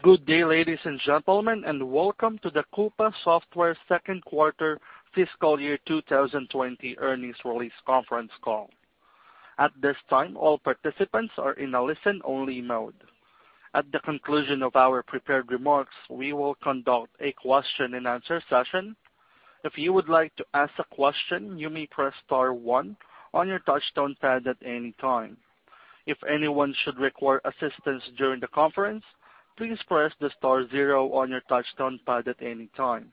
Good day, ladies and gentlemen. Welcome to the Coupa Software second quarter fiscal year 2020 earnings release conference call. At this time, all participants are in a listen-only mode. At the conclusion of our prepared remarks, we will conduct a question and answer session. If you would like to ask a question, you may press star one on your touch-tone pad at any time. If anyone should require assistance during the conference, please press the star zero on your touch-tone pad at any time.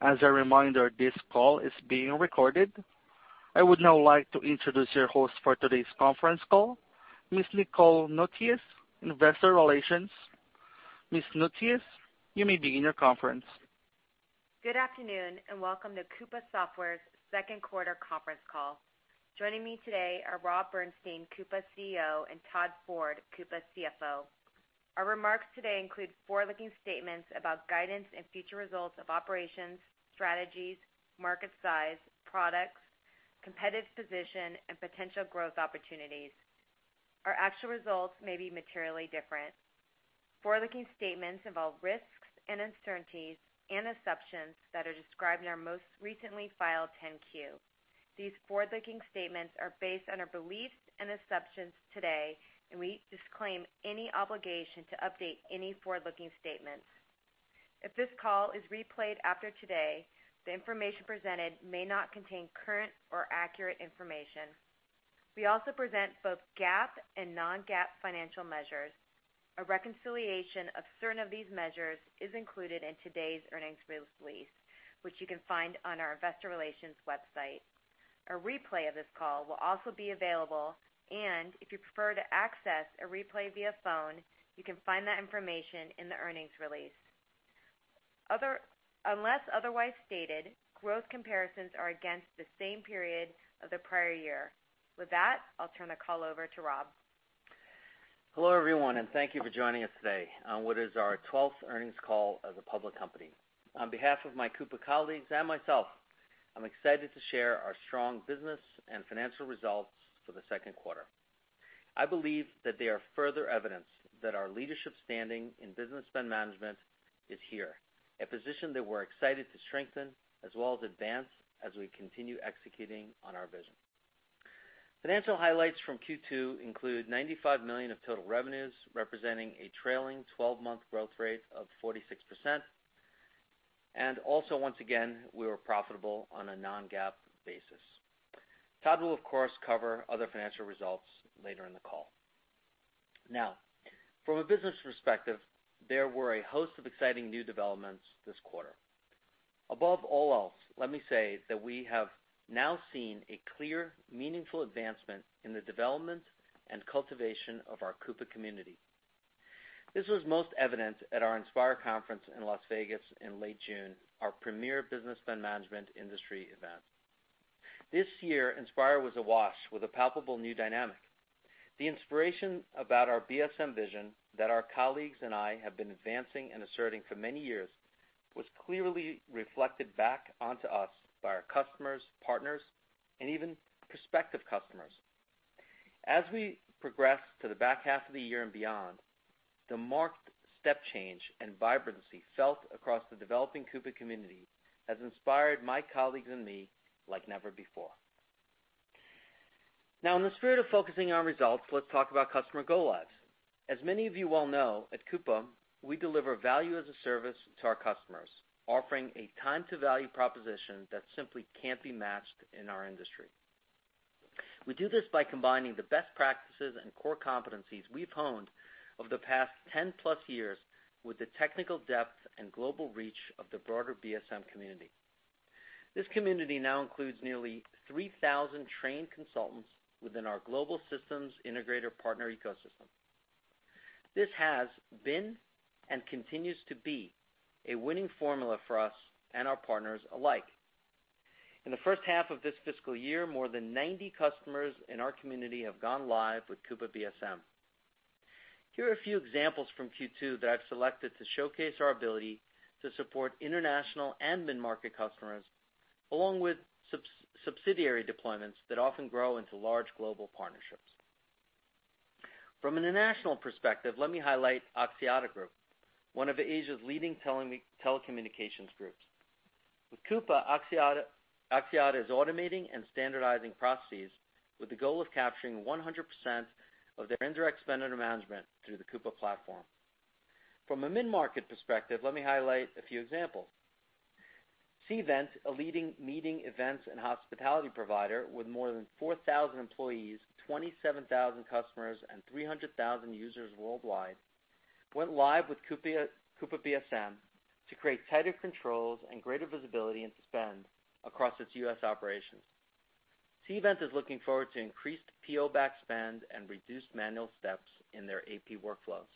As a reminder, this call is being recorded. I would now like to introduce your host for today's conference call, Ms. Nicole Noutsios, investor relations. Ms. Noutsios, you may begin your conference. Good afternoon, and welcome to Coupa Software's second quarter conference call. Joining me today are Rob Bernshteyn, Coupa CEO, and Todd Ford, Coupa CFO. Our remarks today include forward-looking statements about guidance and future results of operations, strategies, market size, products, competitive position, and potential growth opportunities. Our actual results may be materially different. Forward-looking statements involve risks and uncertainties and assumptions that are described in our most recently filed 10-Q. These forward-looking statements are based on our beliefs and assumptions today, and we disclaim any obligation to update any forward-looking statements. If this call is replayed after today, the information presented may not contain current or accurate information. We also present both GAAP and non-GAAP financial measures. A reconciliation of certain of these measures is included in today's earnings release, which you can find on our investor relations website. A replay of this call will also be available, and if you prefer to access a replay via phone, you can find that information in the earnings release. Unless otherwise stated, growth comparisons are against the same period of the prior year. With that, I'll turn the call over to Rob. Hello, everyone, and thank you for joining us today on what is our 12th earnings call as a public company. On behalf of my Coupa colleagues and myself, I'm excited to share our strong business and financial results for the second quarter. I believe that they are further evidence that our leadership standing in business spend management is here, a position that we're excited to strengthen as well as advance as we continue executing on our vision. Financial highlights from Q2 include $95 million of total revenues, representing a trailing 12-month growth rate of 46%, and also, once again, we were profitable on a non-GAAP basis. Todd will, of course, cover other financial results later in the call. Now, from a business perspective, there were a host of exciting new developments this quarter. Above all else, let me say that we have now seen a clear, meaningful advancement in the development and cultivation of our Coupa community. This was most evident at our Inspire Conference in Las Vegas in late June, our premier business spend management industry event. This year, Inspire was awash with a palpable new dynamic. The inspiration about our BSM vision that our colleagues and I have been advancing and asserting for many years was clearly reflected back onto us by our customers, partners, and even prospective customers. As we progress to the back half of the year and beyond, the marked step change and vibrancy felt across the developing Coupa community has inspired my colleagues and me like never before. Now, in the spirit of focusing on results, let's talk about customer go lives. As many of you well know, at Coupa, we deliver Value as a Service to our customers, offering a time-to-value proposition that simply can't be matched in our industry. We do this by combining the best practices and core competencies we've honed over the past 10 plus years with the technical depth and global reach of the broader BSM community. This community now includes nearly 3,000 trained consultants within our global systems integrator partner ecosystem. This has been and continues to be a winning formula for us and our partners alike. In the first half of this fiscal year, more than 90 customers in our community have gone live with Coupa BSM. Here are a few examples from Q2 that I've selected to showcase our ability to support international and mid-market customers, along with subsidiary deployments that often grow into large global partnerships. From an international perspective, let me highlight Axiata Group, one of Asia's leading telecommunications groups. With Coupa, Axiata is automating and standardizing processes with the goal of capturing 100% of their indirect expenditure management through the Coupa platform. From a mid-market perspective, let me highlight a few examples. Cvent, a leading meeting, events, and hospitality provider with more than 4,000 employees, 27,000 customers, and 300,000 users worldwide, went live with Coupa BSM to create tighter controls and greater visibility into spend across its U.S. operations. Cvent is looking forward to increased PO-backed spend and reduced manual steps in their AP workflows.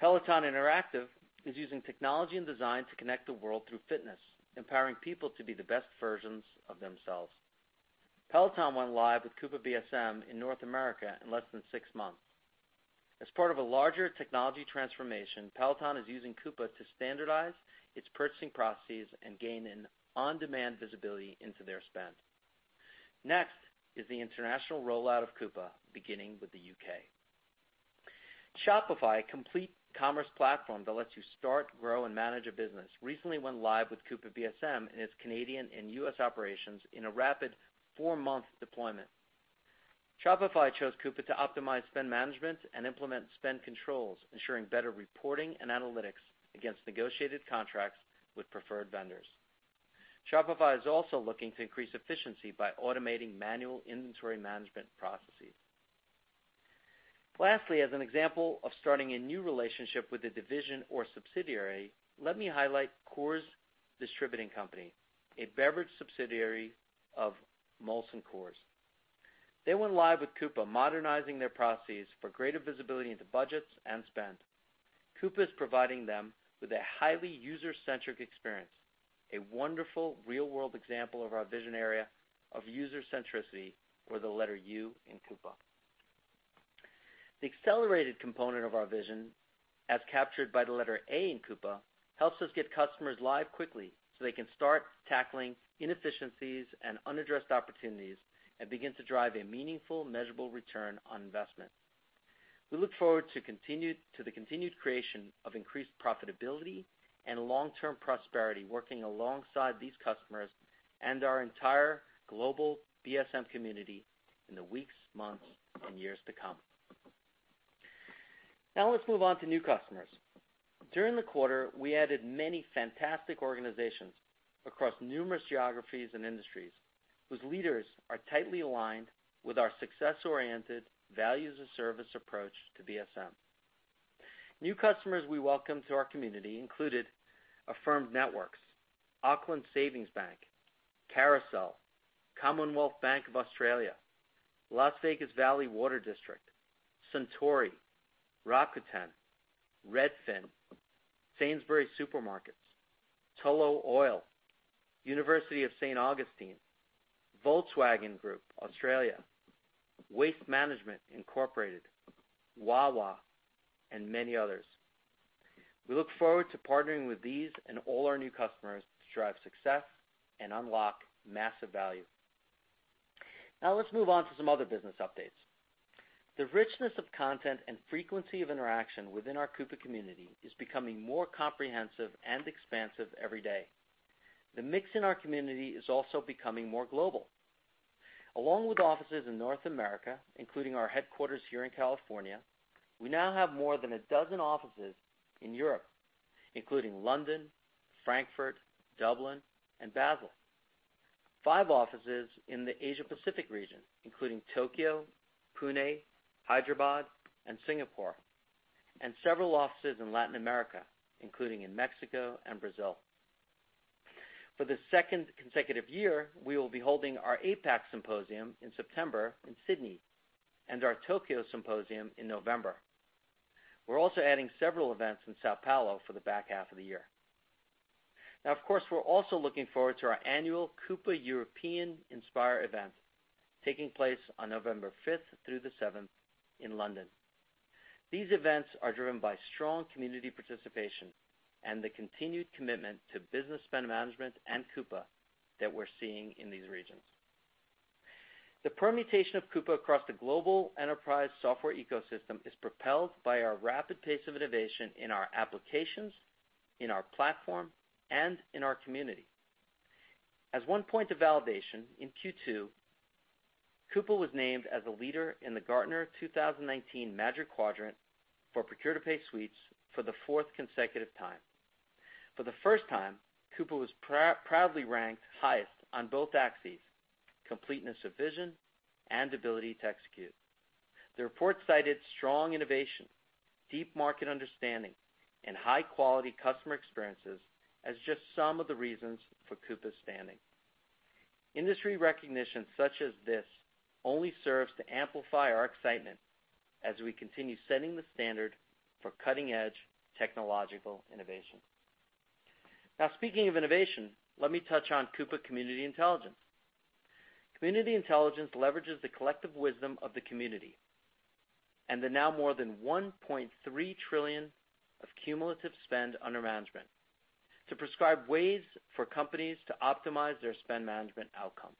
Peloton Interactive is using technology and design to connect the world through fitness, empowering people to be the best versions of themselves. Peloton went live with Coupa BSM in North America in less than six months. As part of a larger technology transformation, Peloton is using Coupa to standardize its purchasing processes and gain an on-demand visibility into their spend. Next is the international rollout of Coupa, beginning with the U.K. Shopify, a complete commerce platform that lets you start, grow, and manage a business, recently went live with Coupa BSM in its Canadian and U.S. operations in a rapid four-month deployment. Shopify chose Coupa to optimize spend management and implement spend controls, ensuring better reporting and analytics against negotiated contracts with preferred vendors. Shopify is also looking to increase efficiency by automating manual inventory management processes. Lastly, as an example of starting a new relationship with a division or subsidiary, let me highlight Coors Distributing Company, a beverage subsidiary of Molson Coors. They went live with Coupa, modernizing their processes for greater visibility into budgets and spend. Coupa is providing them with a highly user-centric experience, a wonderful real-world example of our vision area of user centricity or the letter U in Coupa. The accelerated component of our vision, as captured by the letter A in Coupa, helps us get customers live quickly so they can start tackling inefficiencies and unaddressed opportunities and begin to drive a meaningful, measurable return on investment. We look forward to the continued creation of increased profitability and long-term prosperity, working alongside these customers and our entire global BSM community in the weeks, months, and years to come. Let's move on to new customers. During the quarter, we added many fantastic organizations across numerous geographies and industries whose leaders are tightly aligned with our success-oriented values and service approach to BSM. New customers we welcome to our community included Affirmed Networks, Auckland Savings Bank, Carousel, Commonwealth Bank of Australia, Las Vegas Valley Water District, Suntory, Rakuten, Redfin, Sainsbury's Supermarkets, Tullow Oil, University of St. Augustine, Volkswagen Group Australia, Waste Management Incorporated, Wawa, and many others. We look forward to partnering with these and all our new customers to drive success and unlock massive value. Let's move on to some other business updates. The richness of content and frequency of interaction within our Coupa community is becoming more comprehensive and expansive every day. The mix in our community is also becoming more global. Along with offices in North America, including our headquarters here in California, we now have more than 12 offices in Europe, including London, Frankfurt, Dublin, and Basel. five offices in the Asia Pacific region, including Tokyo, Pune, Hyderabad, and Singapore, and several offices in Latin America, including in Mexico and Brazil. For the second consecutive year, we will be holding our APAC symposium in September in Sydney and our Tokyo symposium in November. We're also adding several events in São Paulo for the back half of the year. Of course, we're also looking forward to our annual Coupa European Inspire event taking place on November fifth through the seventh in London. These events are driven by strong community participation and the continued commitment to business spend management and Coupa that we're seeing in these regions. The permutation of Coupa across the global enterprise software ecosystem is propelled by our rapid pace of innovation in our applications, in our platform, and in our community. As one point of validation, in Q2, Coupa was named as a leader in the Gartner 2019 Magic Quadrant for Procure-to-Pay Suites for the fourth consecutive time. For the first time, Coupa was proudly ranked highest on both axes, completeness of vision and ability to execute. The report cited strong innovation, deep market understanding, and high-quality customer experiences as just some of the reasons for Coupa's standing. Industry recognition such as this only serves to amplify our excitement as we continue setting the standard for cutting-edge technological innovation. Now, speaking of innovation, let me touch on Coupa Community Intelligence. Community Intelligence leverages the collective wisdom of the community and the now more than $1.3 trillion of cumulative spend under management to prescribe ways for companies to optimize their spend management outcomes.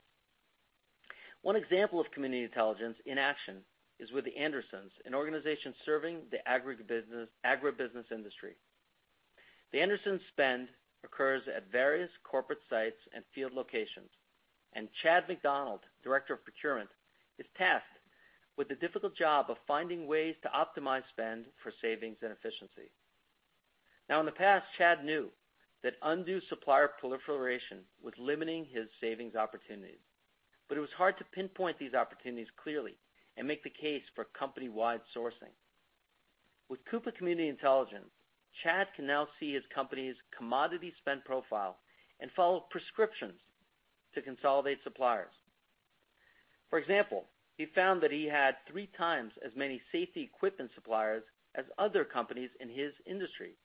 One example of Community Intelligence in action is with The Andersons, an organization serving the agribusiness industry. The Andersons' spend occurs at various corporate sites and field locations. Chad McDonald, Director of Procurement, is tasked with the difficult job of finding ways to optimize spend for savings and efficiency. In the past, Chad knew that undue supplier proliferation was limiting his savings opportunities. It was hard to pinpoint these opportunities clearly and make the case for company-wide sourcing. With Coupa Community Intelligence, Chad can now see his company's commodity spend profile and follow prescriptions to consolidate suppliers. For example, he found that he had three times as many safety equipment suppliers as other companies in his industry.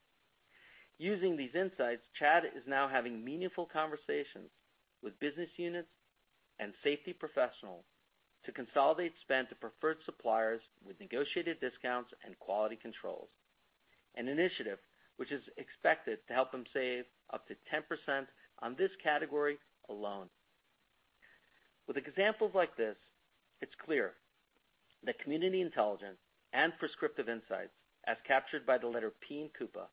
Using these insights, Chad is now having meaningful conversations with business units and safety professionals to consolidate spend to preferred suppliers with negotiated discounts and quality controls. An initiative which is expected to help them save up to 10% on this category alone. With examples like this, it's clear that Community Intelligence and prescriptive insights, as captured by the letter P in Coupa,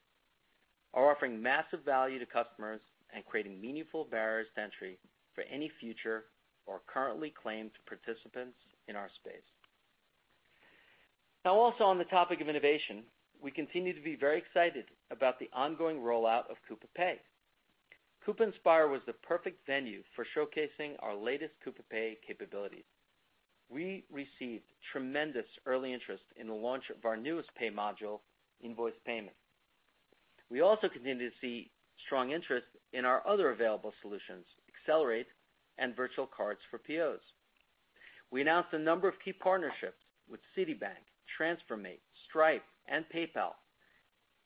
are offering massive value to customers and creating meaningful barriers to entry for any future or currently claimed participants in our space. Also on the topic of innovation, we continue to be very excited about the ongoing rollout of Coupa Pay. Coupa Inspire was the perfect venue for showcasing our latest Coupa Pay capabilities. We received tremendous early interest in the launch of our newest pay module, invoice payment. We also continue to see strong interest in our other available solutions, Accelerate and Virtual Cards for POs. We announced a number of key partnerships with Citibank, TransferMate, Stripe, and PayPal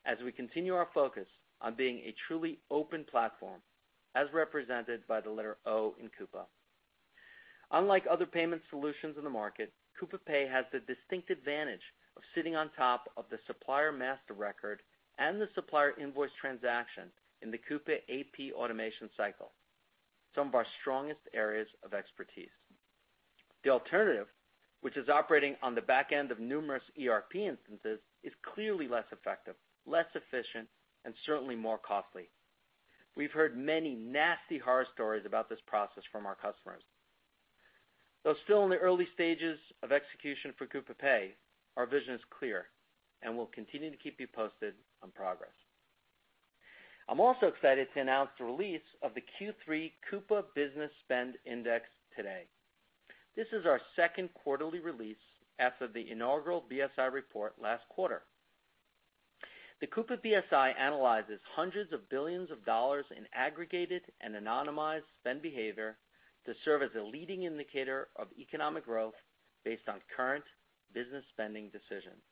as we continue our focus on being a truly open platform, as represented by the letter O in Coupa. Unlike other payment solutions in the market, Coupa Pay has the distinct advantage of sitting on top of the supplier master record and the supplier invoice transaction in the Coupa AP automation cycle, some of our strongest areas of expertise. The alternative, which is operating on the back end of numerous ERP instances, is clearly less effective, less efficient, and certainly more costly. We've heard many nasty horror stories about this process from our customers. Though still in the early stages of execution for Coupa Pay, our vision is clear, and we'll continue to keep you posted on progress. I'm also excited to announce the release of the Q3 Coupa Business Spend Index today. This is our second quarterly release after the inaugural BSI report last quarter. The Coupa BSI analyzes $ hundreds of billions in aggregated and anonymized spend behavior to serve as a leading indicator of economic growth based on current business spending decisions.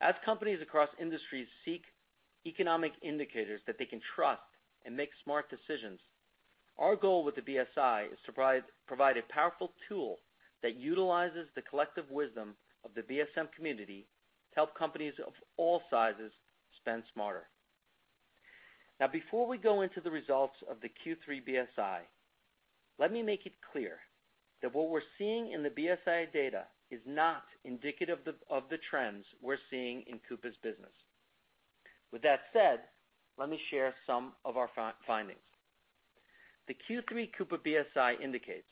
As companies across industries seek economic indicators that they can trust and make smart decisions, our goal with the BSI is to provide a powerful tool that utilizes the collective wisdom of the BSM community to help companies of all sizes spend smarter. Now, before we go into the results of the Q3 BSI, let me make it clear that what we're seeing in the BSI data is not indicative of the trends we're seeing in Coupa's business. With that said, let me share some of our findings. The Q3 Coupa BSI indicates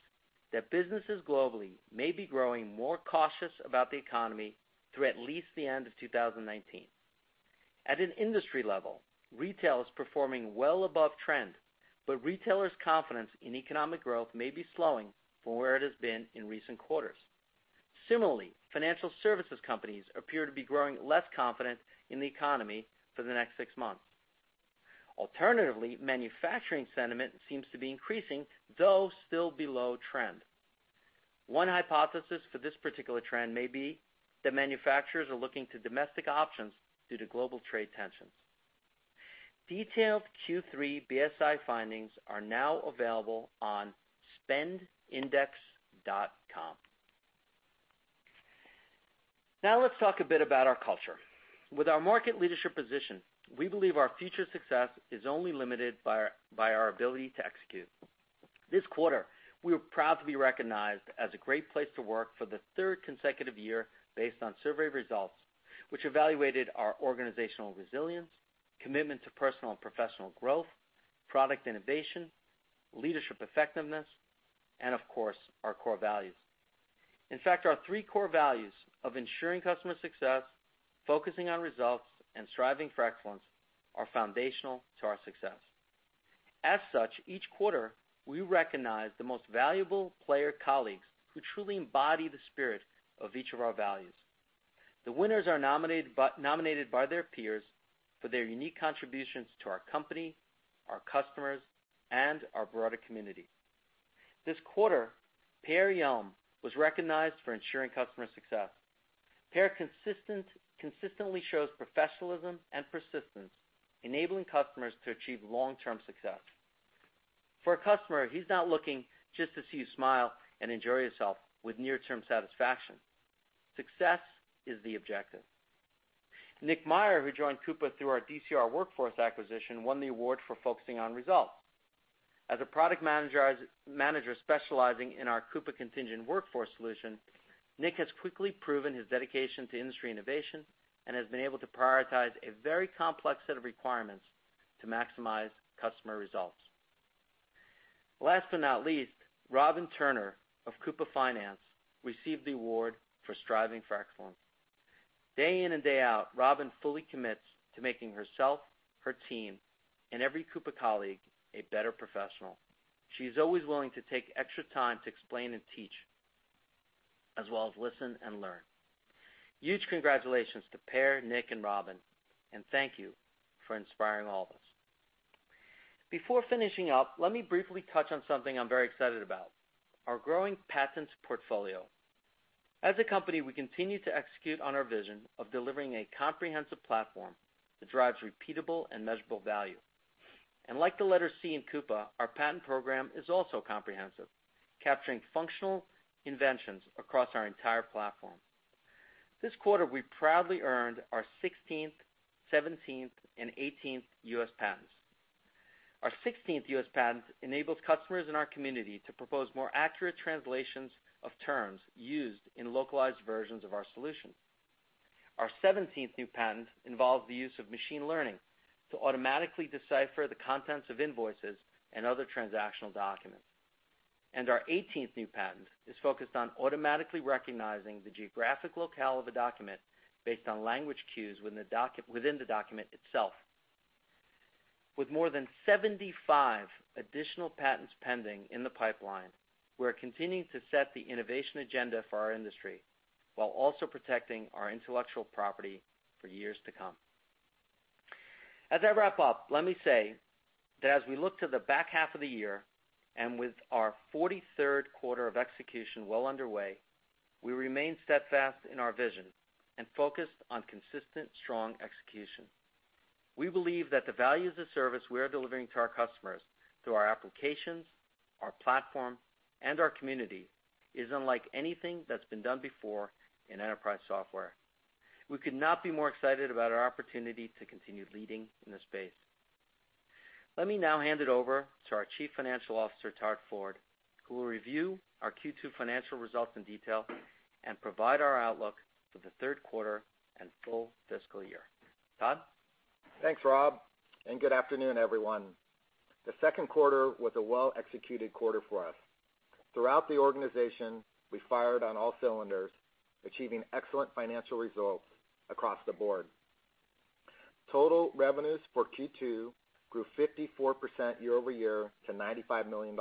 that businesses globally may be growing more cautious about the economy through at least the end of 2019. At an industry level, retail is performing well above trend. Retailers' confidence in economic growth may be slowing from where it has been in recent quarters. Similarly, financial services companies appear to be growing less confident in the economy for the next six months. Manufacturing sentiment seems to be increasing, though still below trend. One hypothesis for this particular trend may be that manufacturers are looking to domestic options due to global trade tensions. Detailed Q3 BSI findings are now available on spendindex.com. Let's talk a bit about our culture. With our market leadership position, we believe our future success is only limited by our ability to execute. This quarter, we were proud to be recognized as a great place to work for the third consecutive year based on survey results which evaluated our organizational resilience, commitment to personal and professional growth, product innovation, leadership effectiveness, and, of course, our core values. Our three core values of ensuring customer success, focusing on results, and striving for excellence are foundational to our success. Each quarter, we recognize the most valuable player colleagues who truly embody the spirit of each of our values. The winners are nominated by their peers for their unique contributions to our company, our customers, and our broader community. This quarter, Per Hjelm was recognized for ensuring customer success. Per consistently shows professionalism and persistence, enabling customers to achieve long-term success. For a customer, he's not looking just to see you smile and enjoy yourself with near-term satisfaction. Success is the objective. Nick Meyer, who joined Coupa through our DCR Workforce acquisition, won the award for focusing on results. As a product manager specializing in our Coupa Contingent Workforce solution, Nick has quickly proven his dedication to industry innovation and has been able to prioritize a very complex set of requirements to maximize customer results. Last but not least, Robyn Turner of Coupa Finance received the award for striving for excellence. Day in and day out, Robyn fully commits to making herself, her team, and every Coupa colleague a better professional. She's always willing to take extra time to explain and teach, as well as listen and learn. Huge congratulations to Per, Nick, and Robyn, and thank you for inspiring all of us. Before finishing up, let me briefly touch on something I'm very excited about, our growing patents portfolio. As a company, we continue to execute on our vision of delivering a comprehensive platform that drives repeatable and measurable value. Like the letter C in Coupa, our patent program is also comprehensive, capturing functional inventions across our entire platform. This quarter, we proudly earned our 16th, 17th, and 18th U.S. patents. Our 16th U.S. patent enables customers in our community to propose more accurate translations of terms used in localized versions of our solution. Our 17th new patent involves the use of machine learning to automatically decipher the contents of invoices and other transactional documents. Our 18th new patent is focused on automatically recognizing the geographic locale of a document based on language cues within the document itself. With more than 75 additional patents pending in the pipeline, we're continuing to set the innovation agenda for our industry, while also protecting our intellectual property for years to come. As I wrap up, let me say that as we look to the back half of the year, and with our 43rd quarter of execution well underway, we remain steadfast in our vision and focused on consistent, strong execution. We believe that the value of the service we are delivering to our customers through our applications, our platform, and our community is unlike anything that's been done before in enterprise software. We could not be more excited about our opportunity to continue leading in this space. Let me now hand it over to our Chief Financial Officer, Todd Ford, who will review our Q2 financial results in detail and provide our outlook for the third quarter and full fiscal year. Todd? Thanks, Rob. Good afternoon, everyone. The second quarter was a well-executed quarter for us. Throughout the organization, we fired on all cylinders, achieving excellent financial results across the board. Total revenues for Q2 grew 54% year-over-year to $95 million.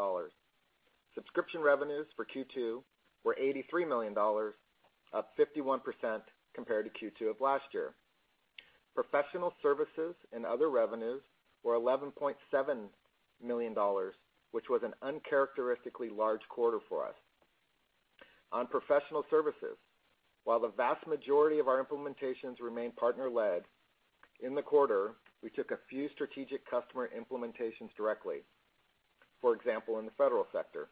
Subscription revenues for Q2 were $83 million, up 51% compared to Q2 of last year. Professional services and other revenues were $11.7 million, which was an uncharacteristically large quarter for us. On professional services, while the vast majority of our implementations remain partner-led, in the quarter, we took a few strategic customer implementations directly. For example, in the federal sector.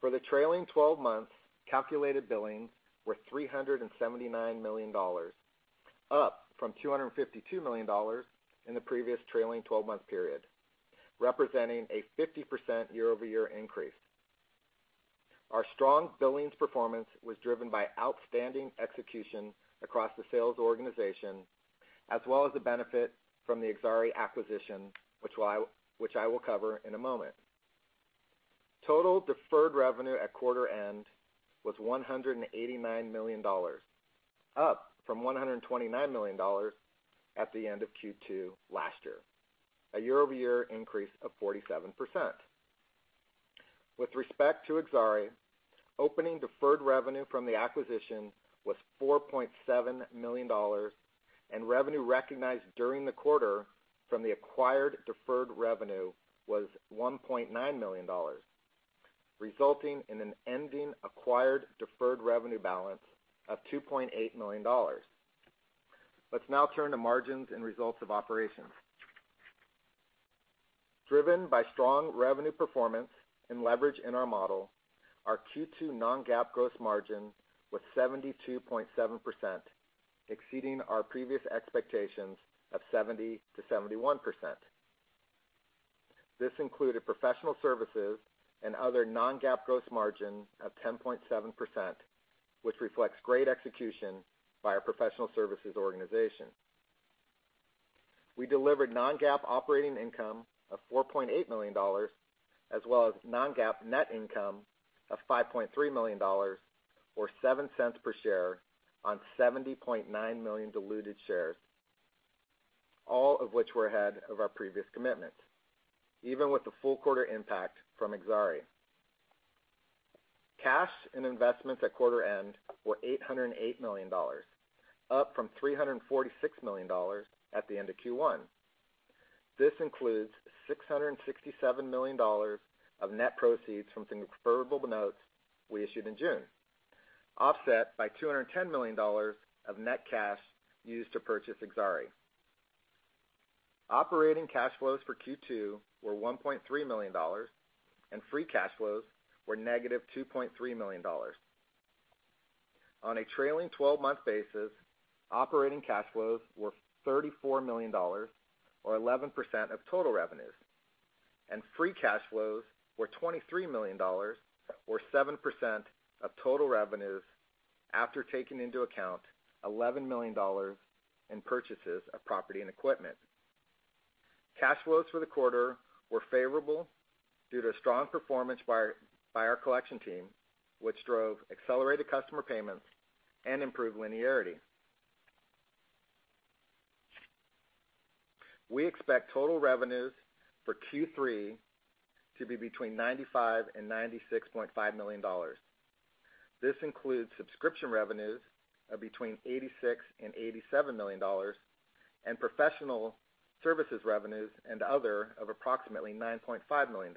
For the trailing 12 months, calculated billings were $379 million, up from $252 million in the previous trailing 12-month period, representing a 50% year-over-year increase. Our strong billings performance was driven by outstanding execution across the sales organization, as well as the benefit from the Exari acquisition, which I will cover in a moment. Total deferred revenue at quarter end was $189 million, up from $129 million at the end of Q2 last year, a year-over-year increase of 47%. With respect to Exari, opening deferred revenue from the acquisition was $4.7 million, and revenue recognized during the quarter from the acquired deferred revenue was $1.9 million, resulting in an ending acquired deferred revenue balance of $2.8 million. Let's now turn to margins and results of operations. Driven by strong revenue performance and leverage in our model, our Q2 non-GAAP gross margin was 72.7%, exceeding our previous expectations of 70%-71%. This included professional services and other non-GAAP gross margin of 10.7%, which reflects great execution by our professional services organization. We delivered non-GAAP operating income of $4.8 million, as well as non-GAAP net income of $5.3 million, or $0.07 per share on 70.9 million diluted shares, all of which were ahead of our previous commitment, even with the full quarter impact from Exari. Cash and investments at quarter end were $808 million, up from $346 million at the end of Q1. This includes $667 million of net proceeds from convertible notes we issued in June, offset by $210 million of net cash used to purchase Exari. Operating cash flows for Q2 were $1.3 million, and free cash flows were negative $2.3 million. On a trailing 12-month basis, operating cash flows were $34 million, or 11% of total revenues, and free cash flows were $23 million, or 7% of total revenues, after taking into account $11 million in purchases of property and equipment. Cash flows for the quarter were favorable due to strong performance by our collection team, which drove accelerated customer payments and improved linearity. We expect total revenues for Q3 to be between $95 million and $96.5 million. This includes subscription revenues of between $86 million and $87 million, and professional services revenues and other of approximately $9.5 million.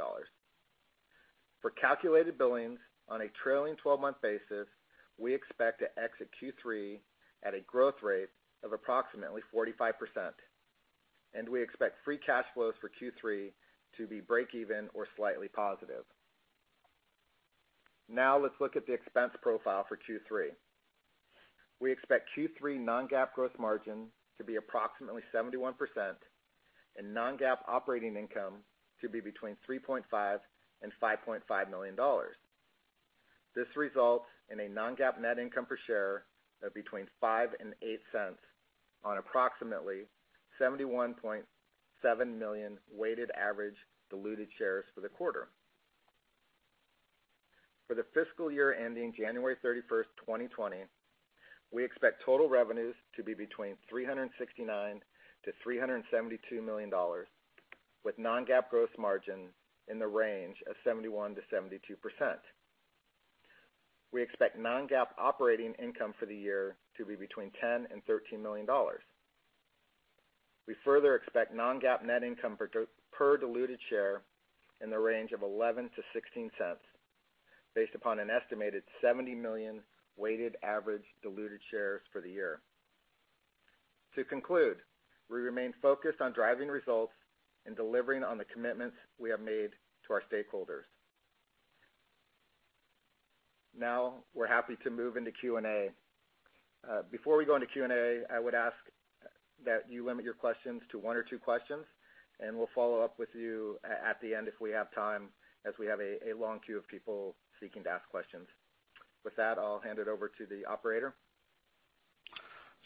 For calculated billings on a trailing 12-month basis, we expect to exit Q3 at a growth rate of approximately 45%, and we expect free cash flows for Q3 to be breakeven or slightly positive. Now let's look at the expense profile for Q3. We expect Q3 non-GAAP gross margin to be approximately 71%, and non-GAAP operating income to be between $3.5 million and $5.5 million. This results in a non-GAAP net income per share of between $0.05 and $0.08 on approximately 71.7 million weighted average diluted shares for the quarter. For the fiscal year ending January 31st, 2020, we expect total revenues to be between $369 million-$372 million, with non-GAAP gross margin in the range of 71%-72%. We expect non-GAAP operating income for the year to be between $10 million and $13 million. We further expect non-GAAP net income per diluted share in the range of $0.11-$0.16, based upon an estimated 70 million weighted average diluted shares for the year. To conclude, we remain focused on driving results and delivering on the commitments we have made to our stakeholders. We're happy to move into Q&A. Before we go into Q&A, I would ask that you limit your questions to one or two questions, we'll follow up with you at the end if we have time, as we have a long queue of people seeking to ask questions. With that, I'll hand it over to the operator.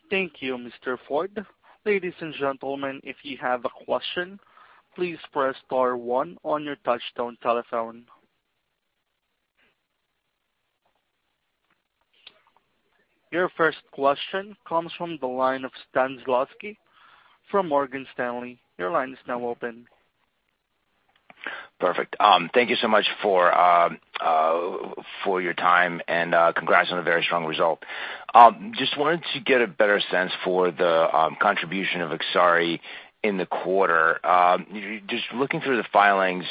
Thank you, Mr. Ford. Ladies and gentlemen, if you have a question, please press star one on your touch-tone telephone. Your first question comes from the line of Stan Zlotsky from Morgan Stanley. Your line is now open. Perfect. Thank you so much for your time. Congrats on a very strong result. Just wanted to get a better sense for the contribution of Exari in the quarter. Just looking through the filings,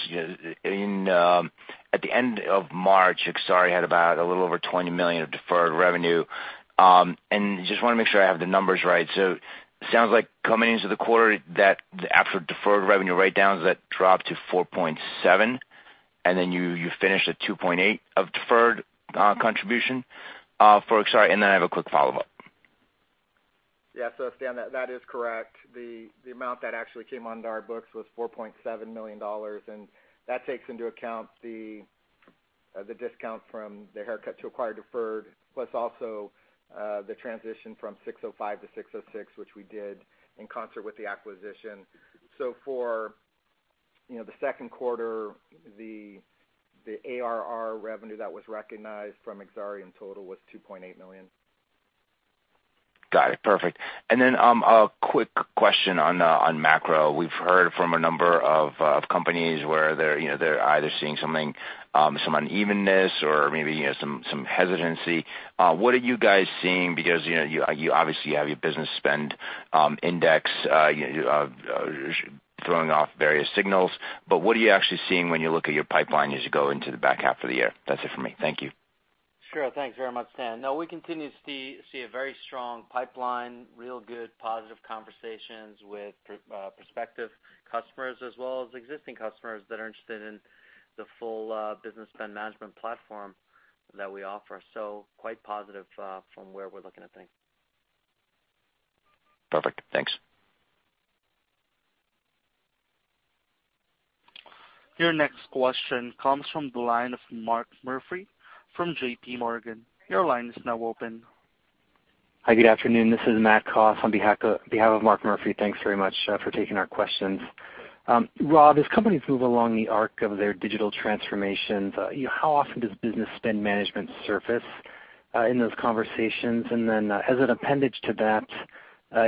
at the end of March, Exari had about a little over $20 million of deferred revenue. Just want to make sure I have the numbers right. Sounds like coming into the quarter, that after deferred revenue write-downs, that dropped to $4.7, and then you finished at $2.8 of deferred contribution for Exari? I have a quick follow-up. Yeah. Stan, that is correct. The amount that actually came onto our books was $4.7 million, that takes into account the discount from the haircut to acquire deferred, plus also the transition from ASC 605 to ASC 606, which we did in concert with the acquisition. For the second quarter, the ARR revenue that was recognized from Exari in total was $2.8 million. Got it, perfect. Then, a quick question on macro. We've heard from a number of companies where they're either seeing some unevenness or maybe some hesitancy. What are you guys seeing? Obviously, you have your Business Spend Index throwing off various signals, but what are you actually seeing when you look at your pipeline as you go into the back half of the year? That's it for me. Thank you. Thanks very much, Stan. We continue to see a very strong pipeline, real good, positive conversations with prospective customers as well as existing customers that are interested in the full Business Spend Management platform that we offer. Quite positive from where we're looking at things. Perfect. Thanks. Your next question comes from the line of Mark Murphy from JPMorgan. Your line is now open. Hi, good afternoon. This is Matt Koff on behalf of Mark Murphy. Thanks very much for taking our questions. Rob, as companies move along the arc of their digital transformations, how often does business spend management surface in those conversations? As an appendage to that,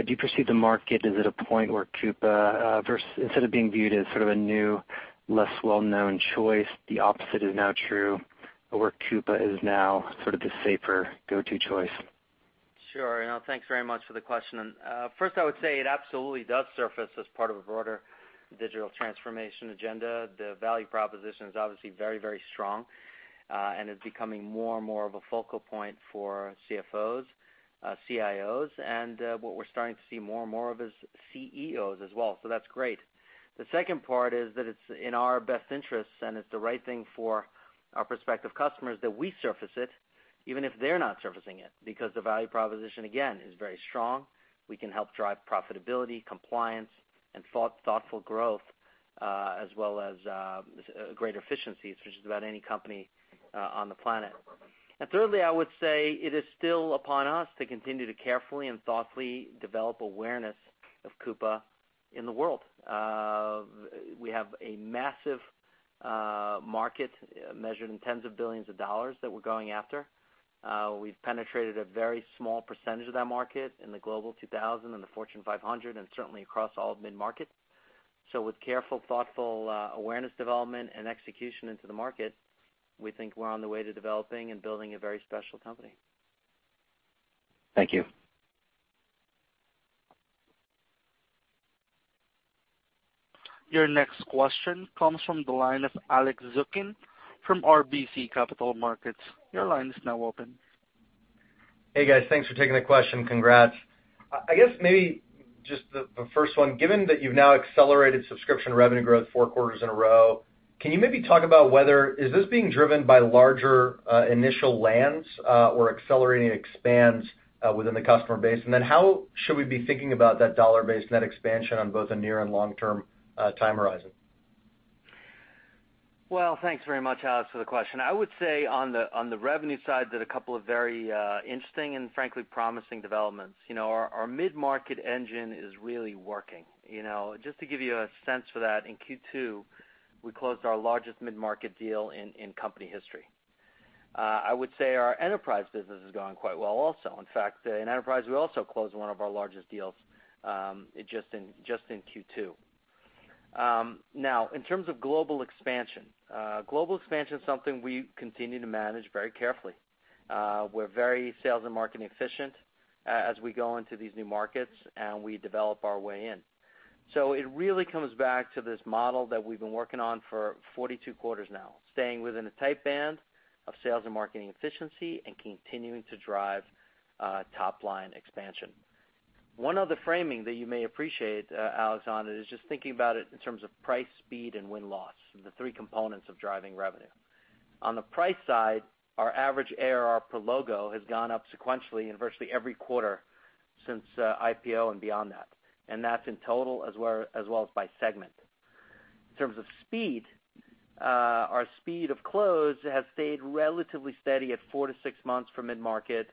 do you perceive the market is at a point where Coupa, instead of being viewed as sort of a new, less well-known choice, the opposite is now true, where Coupa is now sort of the safer go-to choice? Sure. Thanks very much for the question. First, I would say it absolutely does surface as part of a broader digital transformation agenda. The value proposition is obviously very strong, and is becoming more and more of a focal point for CFOs, CIOs, and what we're starting to see more and more of is CEOs as well. That's great. The second part is that it's in our best interests, and it's the right thing for our prospective customers that we surface it, even if they're not surfacing it, because the value proposition, again, is very strong. We can help drive profitability, compliance, and thoughtful growth, as well as greater efficiencies, versus about any company on the planet. Thirdly, I would say it is still upon us to continue to carefully and thoughtfully develop awareness of Coupa in the world. We have a massive market measured in tens of billions of dollars that we're going after. We've penetrated a very small percentage of that market in the Global 2000 and the Fortune 500, and certainly across all mid-markets. With careful, thoughtful awareness development and execution into the market, we think we're on the way to developing and building a very special company. Thank you. Your next question comes from the line of Alex Zukin from RBC Capital Markets. Your line is now open. Hey, guys. Thanks for taking the question. Congrats. I guess maybe just the first one, given that you've now accelerated subscription revenue growth four quarters in a row, can you maybe talk about whether Is this being driven by larger initial lands or accelerating expands within the customer base? How should we be thinking about that dollar-based net expansion on both a near and long-term time horizon? Well, thanks very much, Alex Zukin, for the question. I would say on the revenue side that a couple of very interesting and frankly promising developments. Our mid-market engine is really working. Just to give you a sense for that, in Q2, we closed our largest mid-market deal in company history. I would say our enterprise business is going quite well also. In fact, in enterprise, we also closed one of our largest deals just in Q2. Now, in terms of global expansion, global expansion is something we continue to manage very carefully. We're very sales and marketing efficient as we go into these new markets, and we develop our way in. It really comes back to this model that we've been working on for 42 quarters now, staying within a tight band of sales and marketing efficiency and continuing to drive top-line expansion. One other framing that you may appreciate, Alex, on it is just thinking about it in terms of price, speed, and win-loss, the three components of driving revenue. On the price side, our average ARR per logo has gone up sequentially in virtually every quarter since IPO and beyond that, and that's in total as well as by segment. In terms of speed, our speed of close has stayed relatively steady at 4-6 months for mid-market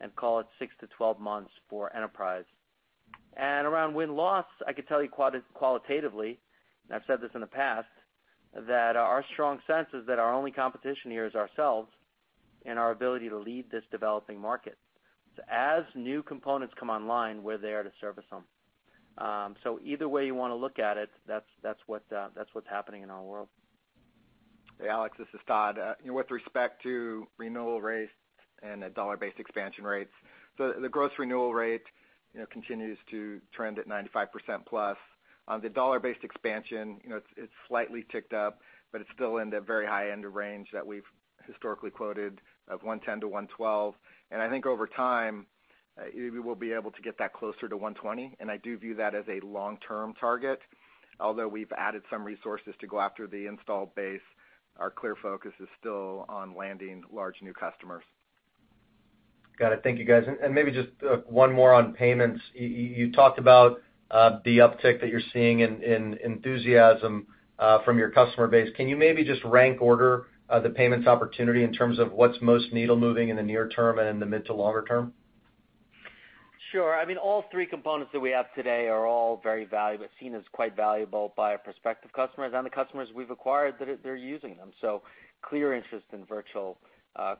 and call it 6-12 months for enterprise. Around win-loss, I could tell you qualitatively, and I've said this in the past, that our strong sense is that our only competition here is ourselves and our ability to lead this developing market. As new components come online, we're there to service them. Either way you want to look at it, that's what's happening in our world. Hey, Alex, this is Todd. With respect to renewal rates and dollar-based expansion rates, the gross renewal rate continues to trend at 95%+. The dollar-based expansion, it's slightly ticked up, but it's still in the very high end of range that we've historically quoted of 110%-112%. I think over time, we will be able to get that closer to 120%, and I do view that as a long-term target. Although we've added some resources to go after the installed base, our clear focus is still on landing large new customers. Got it. Thank you, guys. Maybe just one more on payments. You talked about the uptick that you're seeing in enthusiasm from your customer base. Can you maybe just rank order the payments opportunity in terms of what's most needle-moving in the near term and in the mid to longer term? Sure. All three components that we have today are all seen as quite valuable by our prospective customers, and the customers we've acquired, they're using them. Clear interest in Virtual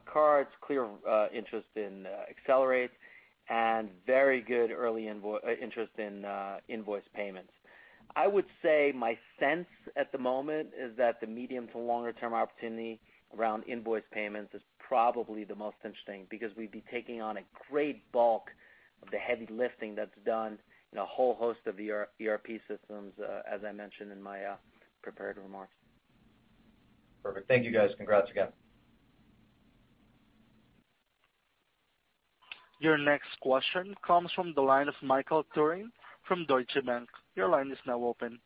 Cards, clear interest in Accelerate, and very good early interest in invoice payments. I would say my sense at the moment is that the medium to longer-term opportunity around invoice payments is probably the most interesting because we'd be taking on a great bulk of the heavy lifting that's done in a whole host of ERP systems, as I mentioned in my prepared remarks. Perfect. Thank you, guys. Congrats again. Your next question comes from the line of Michael Turrin from Deutsche Bank. Your line is now open.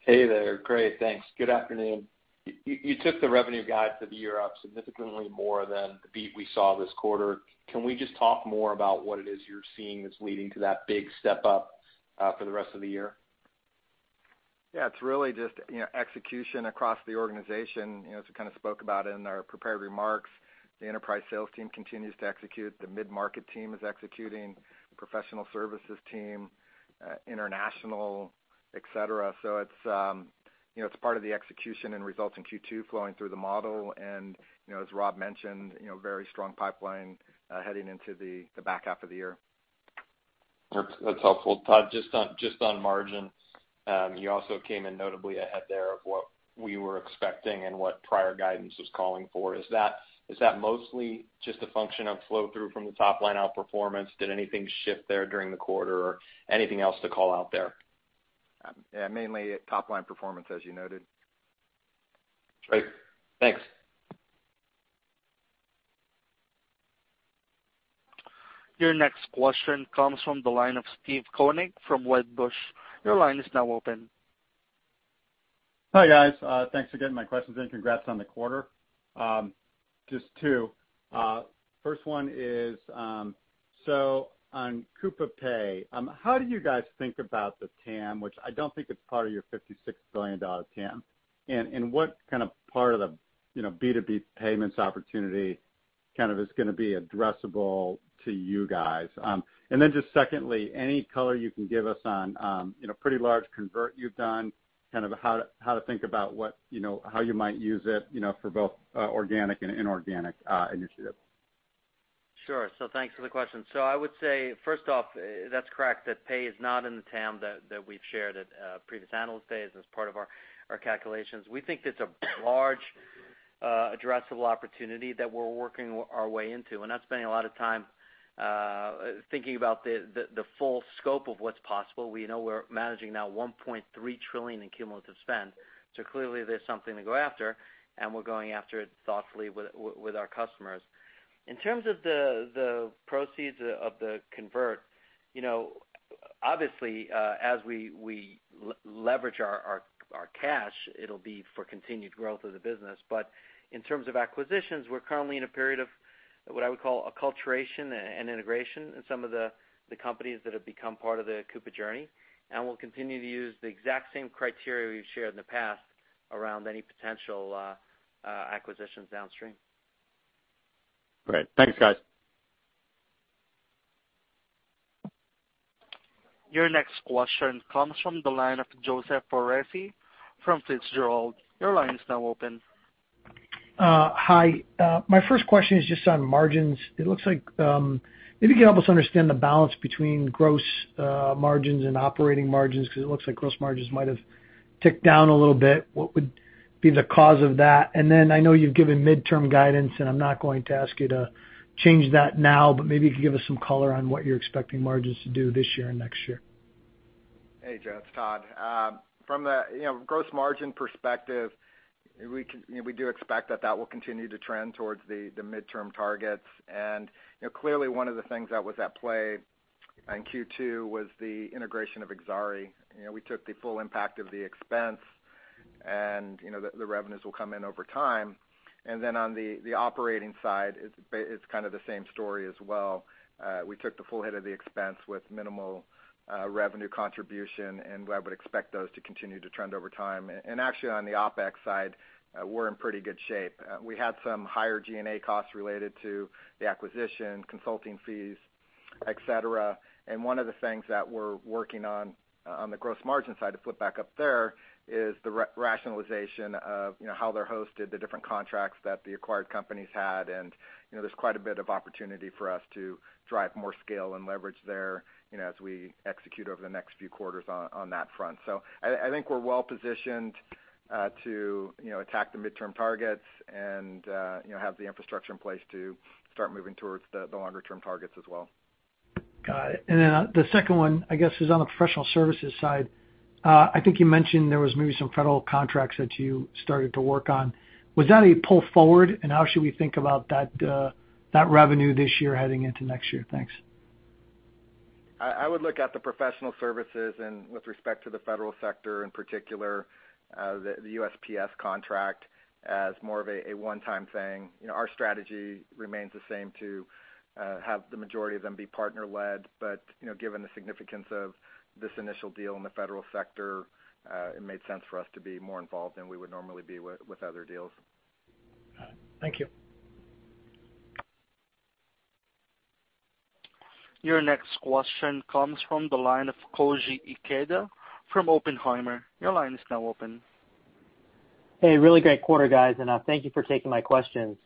Hey there. Great, thanks. Good afternoon. You took the revenue guide for the year up significantly more than the beat we saw this quarter. Can we just talk more about what it is you're seeing that's leading to that big step up for the rest of the year? Yeah, it's really just execution across the organization. As we spoke about in our prepared remarks, the enterprise sales team continues to execute, the mid-market team is executing, professional services team, international, et cetera. It's part of the execution and results in Q2 flowing through the model and, as Rob mentioned, very strong pipeline heading into the back half of the year. That's helpful. Todd, just on margins, you also came in notably ahead there of what we were expecting and what prior guidance was calling for. Is that mostly just a function of flow-through from the top-line outperformance? Did anything shift there during the quarter or anything else to call out there? Yeah, mainly top-line performance, as you noted. Great. Thanks. Your next question comes from the line of Steve Koenig from Wedbush. Your line is now open. Hi, guys. Thanks for getting my questions in. Congrats on the quarter. Just two. First one is, on Coupa Pay, how do you guys think about the TAM, which I don't think it's part of your $56 billion TAM, and what part of the B2B payments opportunity is going to be addressable to you guys? Just secondly, any color you can give us on a pretty large convert you've done, how to think about how you might use it for both organic and inorganic initiatives. Sure. Thanks for the question. I would say, first off, that's correct, that Coupa Pay is not in the TAM that we've shared at previous Analyst Days as part of our calculations. We think it's a large addressable opportunity that we're working our way into, and not spending a lot of time thinking about the full scope of what's possible. We know we're managing now $1.3 trillion in cumulative spend. Clearly there's something to go after, and we're going after it thoughtfully with our customers. In terms of the proceeds of the convert, you know, obviously, as we leverage our cash, it'll be for continued growth of the business. In terms of acquisitions, we're currently in a period of what I would call acculturation and integration in some of the companies that have become part of the Coupa journey. We'll continue to use the exact same criteria we've shared in the past around any potential acquisitions downstream. Great. Thanks, guys. Your next question comes from the line of Joseph Foresi from Cantor Fitzgerald. Your line is now open. Hi. My first question is just on margins. It looks like maybe you can help us understand the balance between gross margins and operating margins, because it looks like gross margins might have ticked down a little bit. What would be the cause of that? I know you've given midterm guidance, and I'm not going to ask you to change that now. Maybe you could give us some color on what you're expecting margins to do this year and next year. Hey, Joe, it's Todd. From the gross margin perspective, we do expect that that will continue to trend towards the midterm targets. Clearly one of the things that was at play in Q2 was the integration of Exari. We took the full impact of the expense and the revenues will come in over time. On the operating side, it's kind of the same story as well. We took the full hit of the expense with minimal revenue contribution, and I would expect those to continue to trend over time. Actually, on the OpEx side, we're in pretty good shape. We had some higher G&A costs related to the acquisition, consulting fees, et cetera. One of the things that we're working on the gross margin side to flip back up there, is the rationalization of how they're hosted, the different contracts that the acquired companies had. There's quite a bit of opportunity for us to drive more scale and leverage there as we execute over the next few quarters on that front. I think we're well-positioned to attack the midterm targets and have the infrastructure in place to start moving towards the longer term targets as well. Got it. The second one, I guess, is on the professional services side. I think you mentioned there was maybe some federal contracts that you started to work on. Was that a pull forward? How should we think about that revenue this year heading into next year? Thanks. I would look at the professional services and with respect to the federal sector, in particular, the USPS contract as more of a one-time thing. Our strategy remains the same to, have the majority of them be partner-led. Given the significance of this initial deal in the federal sector, it made sense for us to be more involved than we would normally be with other deals. All right. Thank you. Your next question comes from the line of Koji Ikeda from Oppenheimer. Your line is now open. Hey, really great quarter, guys, and thank you for taking my questions.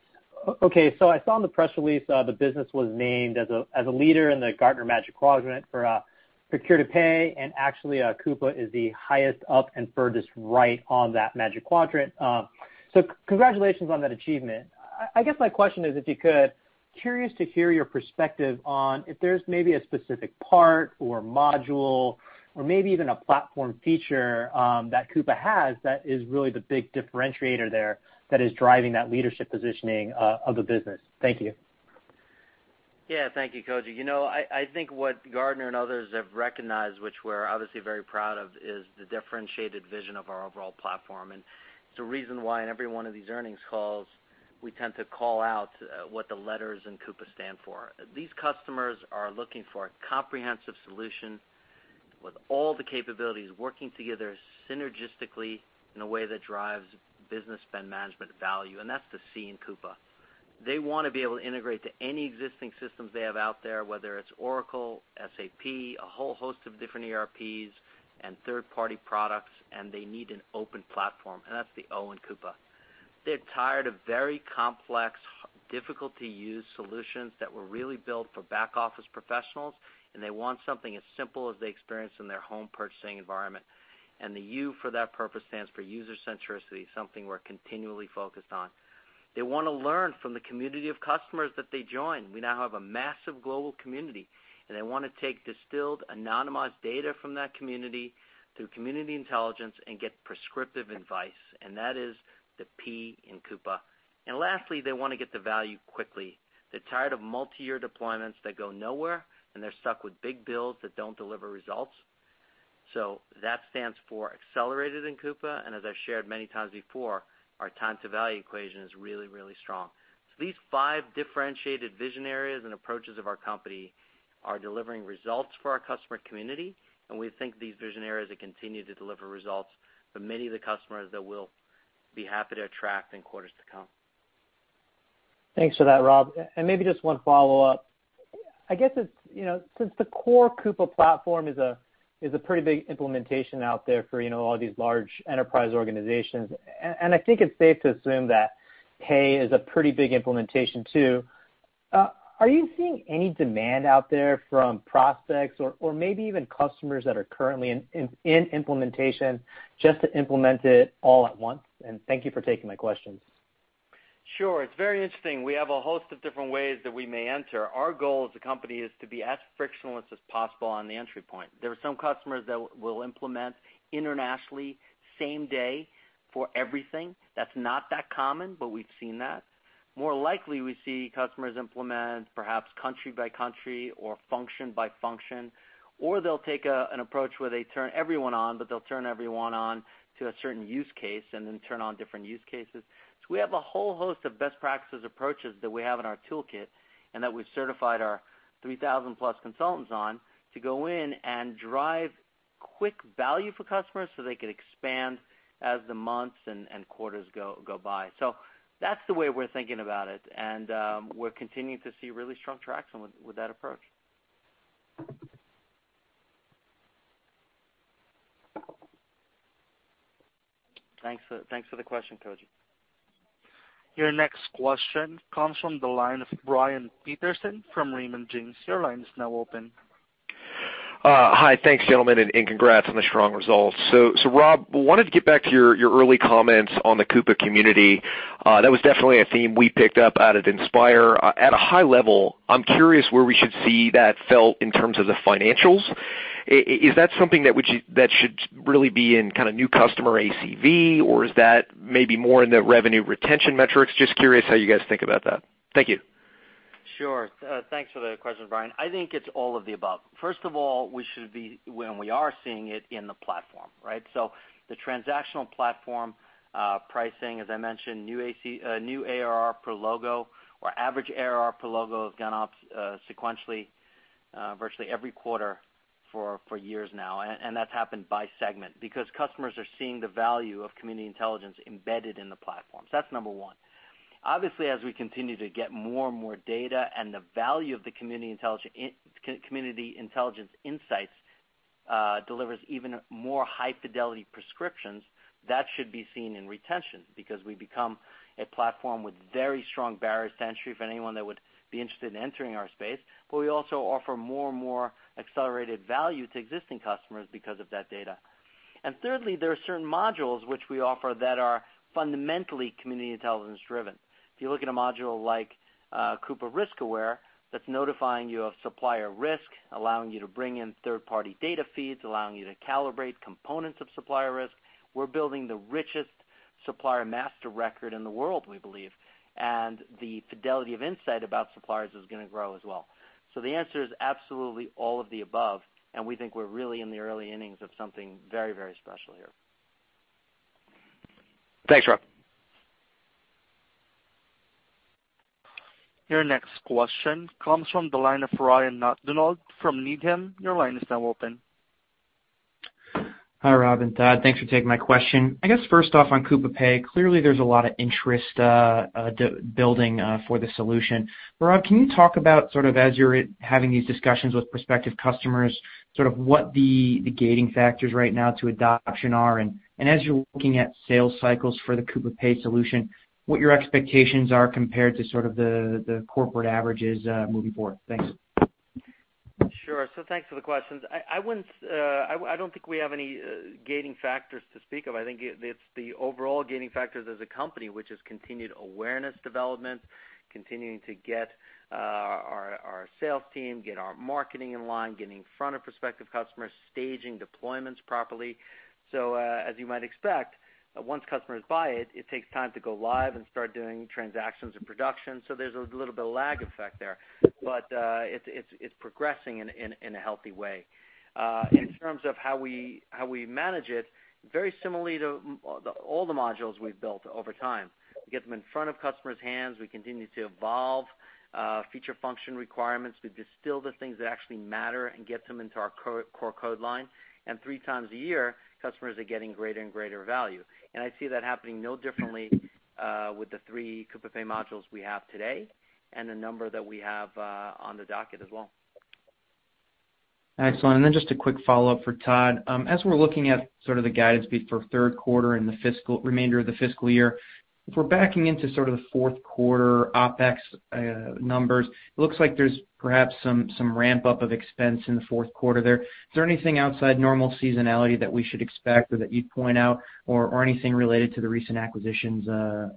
I saw in the press release, the business was named as a leader in the Gartner Magic Quadrant for Procure-to-Pay. Actually, Coupa is the highest up and furthest right on that Magic Quadrant. Congratulations on that achievement. I guess my question is, if you could, curious to hear your perspective on if there's maybe a specific part or module or maybe even a platform feature that Coupa has that is really the big differentiator there that is driving that leadership positioning of the business. Thank you. Yeah. Thank you, Koji. I think what Gartner and others have recognized, which we're obviously very proud of, is the differentiated vision of our overall platform. It's a reason why in every one of these earnings calls, we tend to call out what the letters in Coupa stand for. These customers are looking for a comprehensive solution with all the capabilities working together synergistically in a way that drives Business Spend Management value, and that's the C in Coupa. They want to be able to integrate to any existing systems they have out there, whether it's Oracle, SAP, a whole host of different ERPs and third-party products, and they need an open platform, and that's the O in Coupa. They're tired of very complex, difficult-to-use solutions that were really built for back-office professionals, and they want something as simple as they experience in their home purchasing environment. The U for that purpose stands for user centricity, something we're continually focused on. They want to learn from the community of customers that they join. We now have a massive global community, and they want to take distilled, anonymized data from that community through Community Intelligence and get prescriptive advice, and that is the P in Coupa. Lastly, they want to get the value quickly. They're tired of multi-year deployments that go nowhere, and they're stuck with big bills that don't deliver results. That stands for accelerated in Coupa, and as I've shared many times before, our time to value equation is really, really strong. These five differentiated vision areas and approaches of our company are delivering results for our customer community, and we think these vision areas will continue to deliver results for many of the customers that we'll be happy to attract in quarters to come. Thanks for that, Rob. Maybe just one follow-up. Since the core Coupa platform is a pretty big implementation out there for all these large enterprise organizations, and I think it's safe to assume that Coupa Pay is a pretty big implementation too. Are you seeing any demand out there from prospects or maybe even customers that are currently in implementation, just to implement it all at once? Thank you for taking my questions. Sure. It's very interesting. We have a host of different ways that we may enter. Our goal as a company is to be as frictionless as possible on the entry point. There are some customers that will implement internationally, same day for everything. That's not that common, but we've seen that. More likely, we see customers implement, perhaps country by country or function by function, or they'll take an approach where they turn everyone on, but they'll turn everyone on to a certain use case, and then turn on different use cases. We have a whole host of best practices approaches that we have in our toolkit, and that we've certified our 3,000-plus consultants on to go in and drive quick value for customers so they could expand as the months and quarters go by. That's the way we're thinking about it, and we're continuing to see really strong traction with that approach. Thanks for the question, Koji. Your next question comes from the line of Brian Peterson from Raymond James. Your line is now open. Hi. Thanks, gentlemen, and congrats on the strong results. Rob, wanted to get back to your early comments on the Coupa Community. That was definitely a theme we picked up out of Inspire. At a high level, I'm curious where we should see that felt in terms of the financials. Is that something that should really be in new customer ACV, or is that maybe more in the revenue retention metrics? Just curious how you guys think about that. Thank you. Sure. Thanks for the question, Brian. I think it's all of the above. First of all, we should be, when we are seeing it in the platform, right? The transactional platform, pricing, as I mentioned, new ARR per logo or average ARR per logo has gone up sequentially, virtually every quarter for years now. That's happened by segment, because customers are seeing the value of Community Intelligence embedded in the platforms. That's number one. Obviously, as we continue to get more and more data and the value of the Community Intelligence insights delivers even more high-fidelity prescriptions, that should be seen in retention, because we become a platform with very strong barriers to entry for anyone that would be interested in entering our space. We also offer more and more accelerated value to existing customers because of that data. Thirdly, there are certain modules which we offer that are fundamentally Community Intelligence driven. If you look at a module like Coupa Risk Aware, that's notifying you of supplier risk, allowing you to bring in third-party data feeds, allowing you to calibrate components of supplier risk. We're building the richest supplier master record in the world, we believe, and the fidelity of insight about suppliers is going to grow as well. The answer is absolutely all of the above, and we think we're really in the early innings of something very special here. Thanks, Rob. Your next question comes from the line of Ryan MacDonald from Needham. Your line is now open. Hi, Rob and Todd. Thanks for taking my question. I guess first off, on Coupa Pay, clearly, there's a lot of interest building for the solution. Rob, can you talk about sort of as you're having these discussions with prospective customers, sort of what the gating factors right now to adoption are? As you're looking at sales cycles for the Coupa Pay solution, what your expectations are compared to sort of the corporate averages moving forward? Thanks. Sure. Thanks for the questions. I don't think we have any gating factors to speak of. I think it's the overall gating factors as a company, which is continued awareness development, continuing to get our sales team, get our marketing in line, getting in front of prospective customers, staging deployments properly. As you might expect, once customers buy it takes time to go live and start doing transactions and production. There's a little bit of lag effect there. It's progressing in a healthy way. In terms of how we manage it, very similarly to all the modules we've built over time. We get them in front of customers' hands. We continue to evolve feature function requirements. We distill the things that actually matter and get them into our core code line. Three times a year, customers are getting greater and greater value. I see that happening no differently, with the three Coupa Pay modules we have today and the number that we have on the docket as well. Excellent. Then just a quick follow-up for Todd. As we're looking at sort of the guidance be for third quarter and the remainder of the fiscal year, if we're backing into sort of the fourth quarter OpEx numbers, it looks like there's perhaps some ramp-up of expense in the fourth quarter there. Is there anything outside normal seasonality that we should expect or that you'd point out or anything related to the recent acquisitions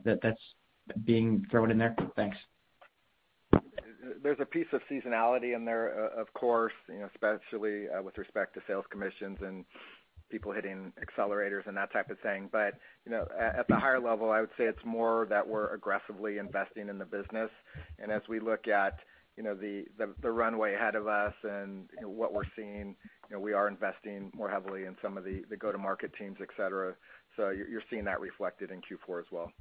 that's being thrown in there? Thanks. There's a piece of seasonality in there, of course, especially with respect to sales commissions and people hitting accelerators and that type of thing. At the higher level, I would say it's more that we're aggressively investing in the business. As we look at the runway ahead of us and what we're seeing, we are investing more heavily in some of the go-to-market teams, et cetera. You're seeing that reflected in Q4 as well.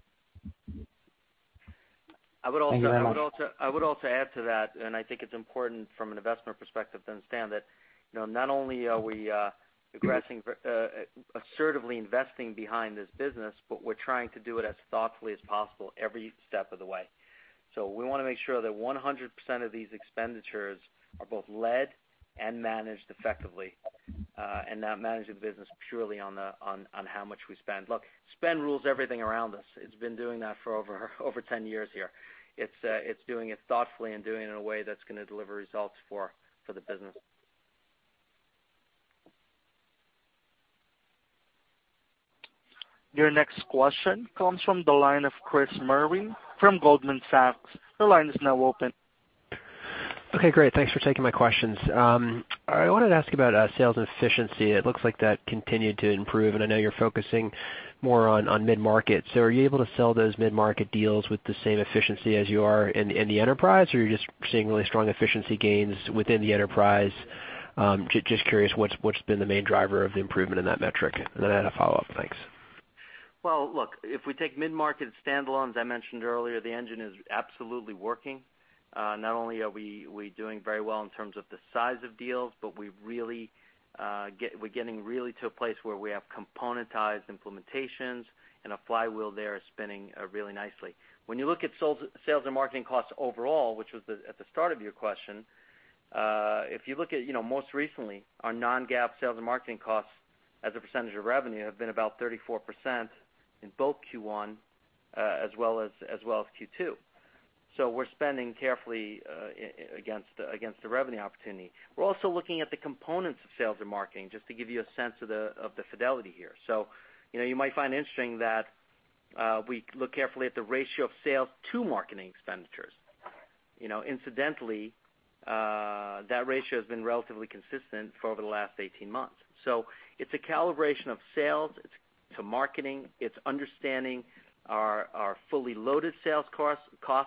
I would also add to that, and I think it's important from an investment perspective to understand that, not only are we assertively investing behind this business, but we're trying to do it as thoughtfully as possible every step of the way. We want to make sure that 100% of these expenditures are both led and managed effectively, and not managing the business purely on how much we spend. Look, spend rules everything around us. It's been doing that for over 10 years here. It's doing it thoughtfully and doing it in a way that's going to deliver results for the business. Your next question comes from the line of Chris Merwin from Goldman Sachs. Your line is now open. Okay, great. Thanks for taking my questions. I wanted to ask about sales and efficiency. It looks like that continued to improve, and I know you're focusing more on mid-market. Are you able to sell those mid-market deals with the same efficiency as you are in the enterprise, or you're just seeing really strong efficiency gains within the enterprise? Just curious what's been the main driver of the improvement in that metric. Then I had a follow-up. Thanks. Well, look, if we take mid-market standalones, I mentioned earlier, the engine is absolutely working. Not only are we doing very well in terms of the size of deals, but we're getting really to a place where we have componentized implementations, and a flywheel there is spinning really nicely. When you look at sales and marketing costs overall, which was at the start of your question, if you look at most recently, our non-GAAP sales and marketing costs as a percentage of revenue have been about 34% in both Q1, as well as Q2. We're spending carefully against the revenue opportunity. We're also looking at the components of sales and marketing, just to give you a sense of the fidelity here. You might find it interesting that we look carefully at the ratio of sales to marketing expenditures. Incidentally, that ratio has been relatively consistent for over the last 18 months. It's a calibration of sales to marketing. It's understanding our fully loaded sales costs,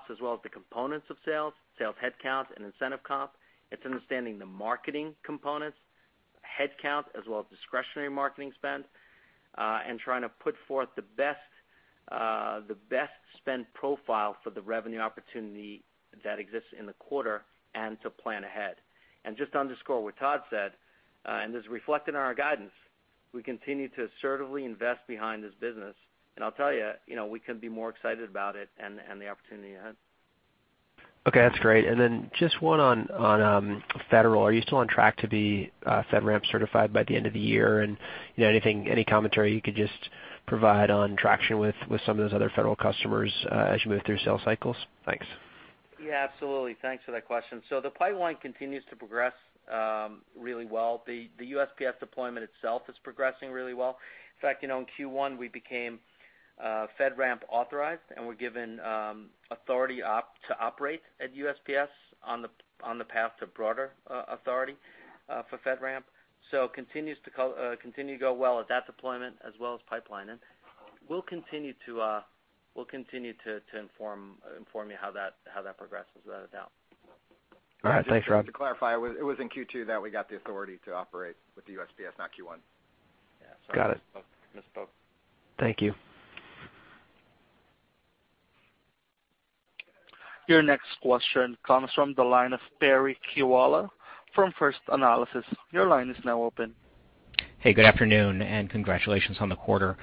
as well as the components of sales headcount, and incentive comp. It's understanding the marketing components, headcount, as well as discretionary marketing spend, and trying to put forth the best spend profile for the revenue opportunity that exists in the quarter and to plan ahead. Just to underscore what Todd said, and as reflected in our guidance, we continue to assertively invest behind this business. I'll tell you, we couldn't be more excited about it and the opportunity ahead. Okay, that's great. Just one on federal. Are you still on track to be FedRAMP certified by the end of the year? Anything, any commentary you could just provide on traction with some of those other federal customers as you move through sales cycles? Thanks. Yeah, absolutely. Thanks for that question. The pipeline continues to progress really well. The USPS deployment itself is progressing really well. In fact, in Q1, we became FedRAMP authorized, and we're given authority to operate at USPS on the path to broader authority for FedRAMP. Continue to go well at that deployment as well as pipelining. We'll continue to inform you how that progresses, without a doubt. All right. Thanks, Rob. Just to clarify, it was in Q2 that we got the authority to operate with the USPS, not Q1. Got it. Misspoke. Thank you. Your next question comes from the line of Terry Kiwala from First Analysis. Your line is now open. Hey, good afternoon. Congratulations on the quarter.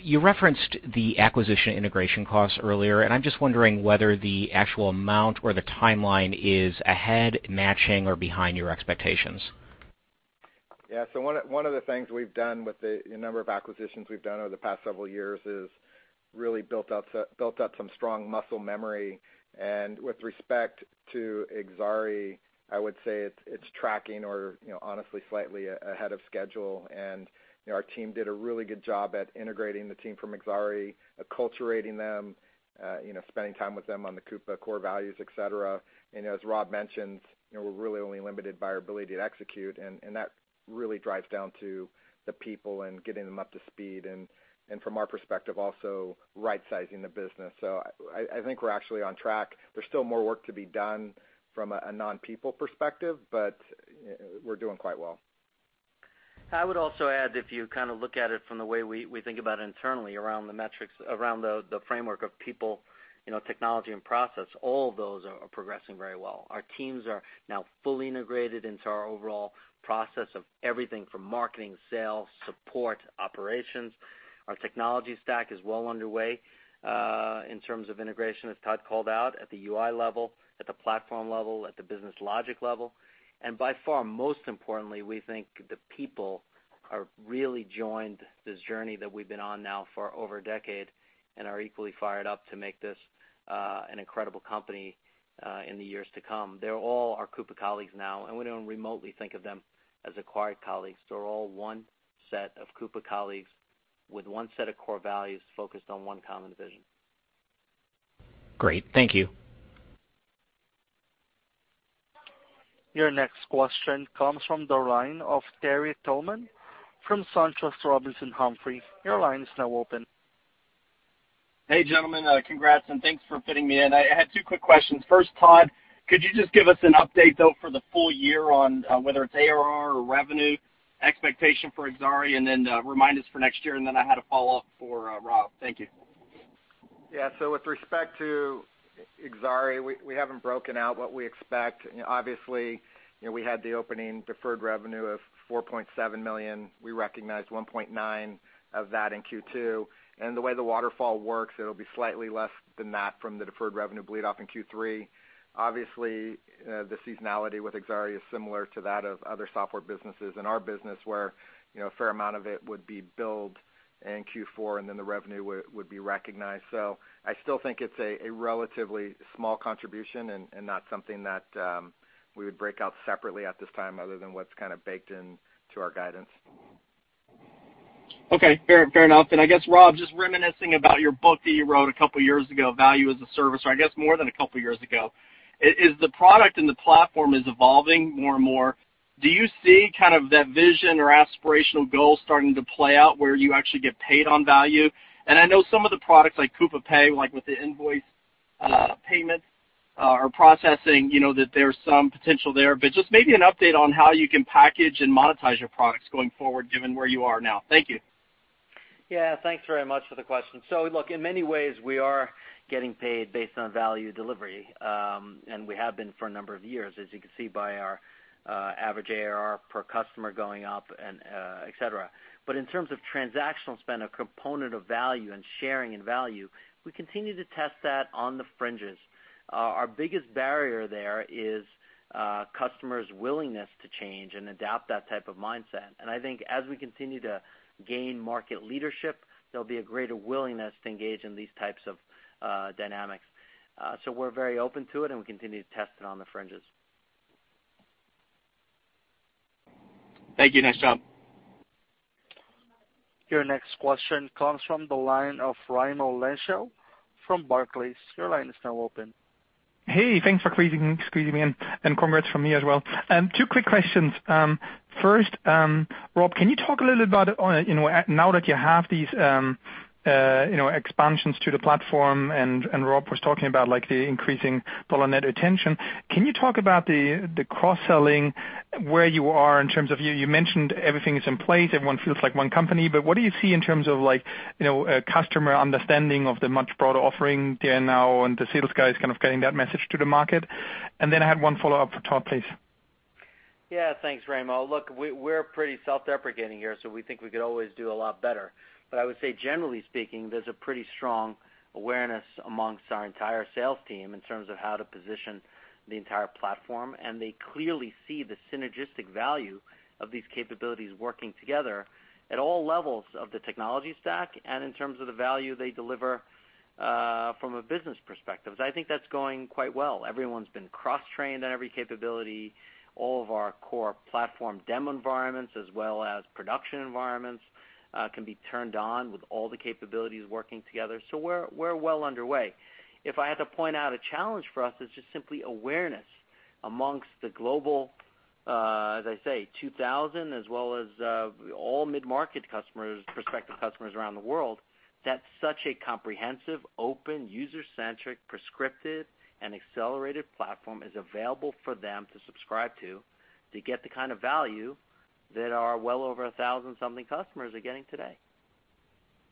You referenced the acquisition integration costs earlier. I'm just wondering whether the actual amount or the timeline is ahead, matching, or behind your expectations. Yeah. One of the things we've done with the number of acquisitions we've done over the past several years is really built up some strong muscle memory. With respect to Exari, I would say it's tracking or honestly slightly ahead of schedule. Our team did a really good job at integrating the team from Exari, acculturating them, spending time with them on the Coupa core values, et cetera. As Rob mentioned, we're really only limited by our ability to execute, and that really drives down to the people and getting them up to speed and from our perspective also right-sizing the business. I think we're actually on track. There's still more work to be done from a non-people perspective, but we're doing quite well. I would also add, if you look at it from the way we think about it internally, around the metrics, around the framework of people, technology and process, all of those are progressing very well. Our teams are now fully integrated into our overall process of everything from marketing, sales, support, operations. Our technology stack is well underway, in terms of integration, as Todd called out, at the UI level, at the platform level, at the business logic level. By far, most importantly, we think the people have really joined this journey that we've been on now for over a decade and are equally fired up to make this an incredible company in the years to come. They're all our Coupa colleagues now, and we don't remotely think of them as acquired colleagues. They're all one set of Coupa colleagues with one set of core values focused on one common vision. Great. Thank you. Your next question comes from the line of Terry Tillman from SunTrust Robinson Humphrey. Your line is now open. Hey, gentlemen, congrats and thanks for fitting me in. I had two quick questions. First, Todd, could you just give us an update though for the full year on whether it's ARR or revenue expectation for Exari, and then remind us for next year, and then I had a follow-up for Rob. Thank you. Yeah. With respect to Exari, we haven't broken out what we expect. Obviously, we had the opening deferred revenue of $4.7 million. We recognized $1.9 million of that in Q2. The way the waterfall works, it'll be slightly less than that from the deferred revenue bleed off in Q3. Obviously, the seasonality with Exari is similar to that of other software businesses and our business, where a fair amount of it would be billed in Q4, and then the revenue would be recognized. I still think it's a relatively small contribution and not something that we would break out separately at this time, other than what's kind of baked into our guidance. Okay, fair enough. I guess, Rob, just reminiscing about your book that you wrote a couple of years ago, "Value as a Service," or I guess more than a couple of years ago. Is the product and the platform is evolving more and more? Do you see kind of that vision or aspirational goal starting to play out where you actually get paid on value? I know some of the products like Coupa Pay, like with the invoice payment or processing, that there's some potential there. Just maybe an update on how you can package and monetize your products going forward, given where you are now. Thank you. Yeah. Thanks very much for the question. Look, in many ways, we are getting paid based on value delivery, and we have been for a number of years, as you can see by our average ARR per customer going up, and et cetera. In terms of transactional spend, a component of value and sharing in value, we continue to test that on the fringes. Our biggest barrier there is customers' willingness to change and adapt that type of mindset. I think as we continue to gain market leadership, there'll be a greater willingness to engage in these types of dynamics. We're very open to it, and we continue to test it on the fringes. Thank you. Thanks, Rob. Your next question comes from the line of Raimo Lenschow from Barclays. Your line is now open. Hey, thanks for squeezing me in. Congrats from me as well. Two quick questions. First, Rob, can you talk a little bit about, now that you have these expansions to the platform, Rob was talking about the increasing dollar net retention, can you talk about the cross-selling, where you are in terms of, you mentioned everything is in place, everyone feels like one company. What do you see in terms of customer understanding of the much broader offering there now and the sales guys kind of getting that message to the market? Then I had one follow-up for Todd, please. Yeah. Thanks, Raimo. Look, we're pretty self-deprecating here. We think we could always do a lot better. I would say, generally speaking, there's a pretty strong awareness amongst our entire sales team in terms of how to position the entire platform, and they clearly see the synergistic value of these capabilities working together at all levels of the technology stack and in terms of the value they deliver, from a business perspective. I think that's going quite well. Everyone's been cross-trained on every capability. All of our core platform demo environments, as well as production environments, can be turned on with all the capabilities working together. We're well underway. If I had to point out a challenge for us, it's just simply awareness amongst the Global, as I say, 2,000, as well as all mid-market prospective customers around the world, that such a comprehensive, open, user-centric, prescriptive, and accelerated platform is available for them to subscribe to get the kind of value that our well over 1,000-something customers are getting today.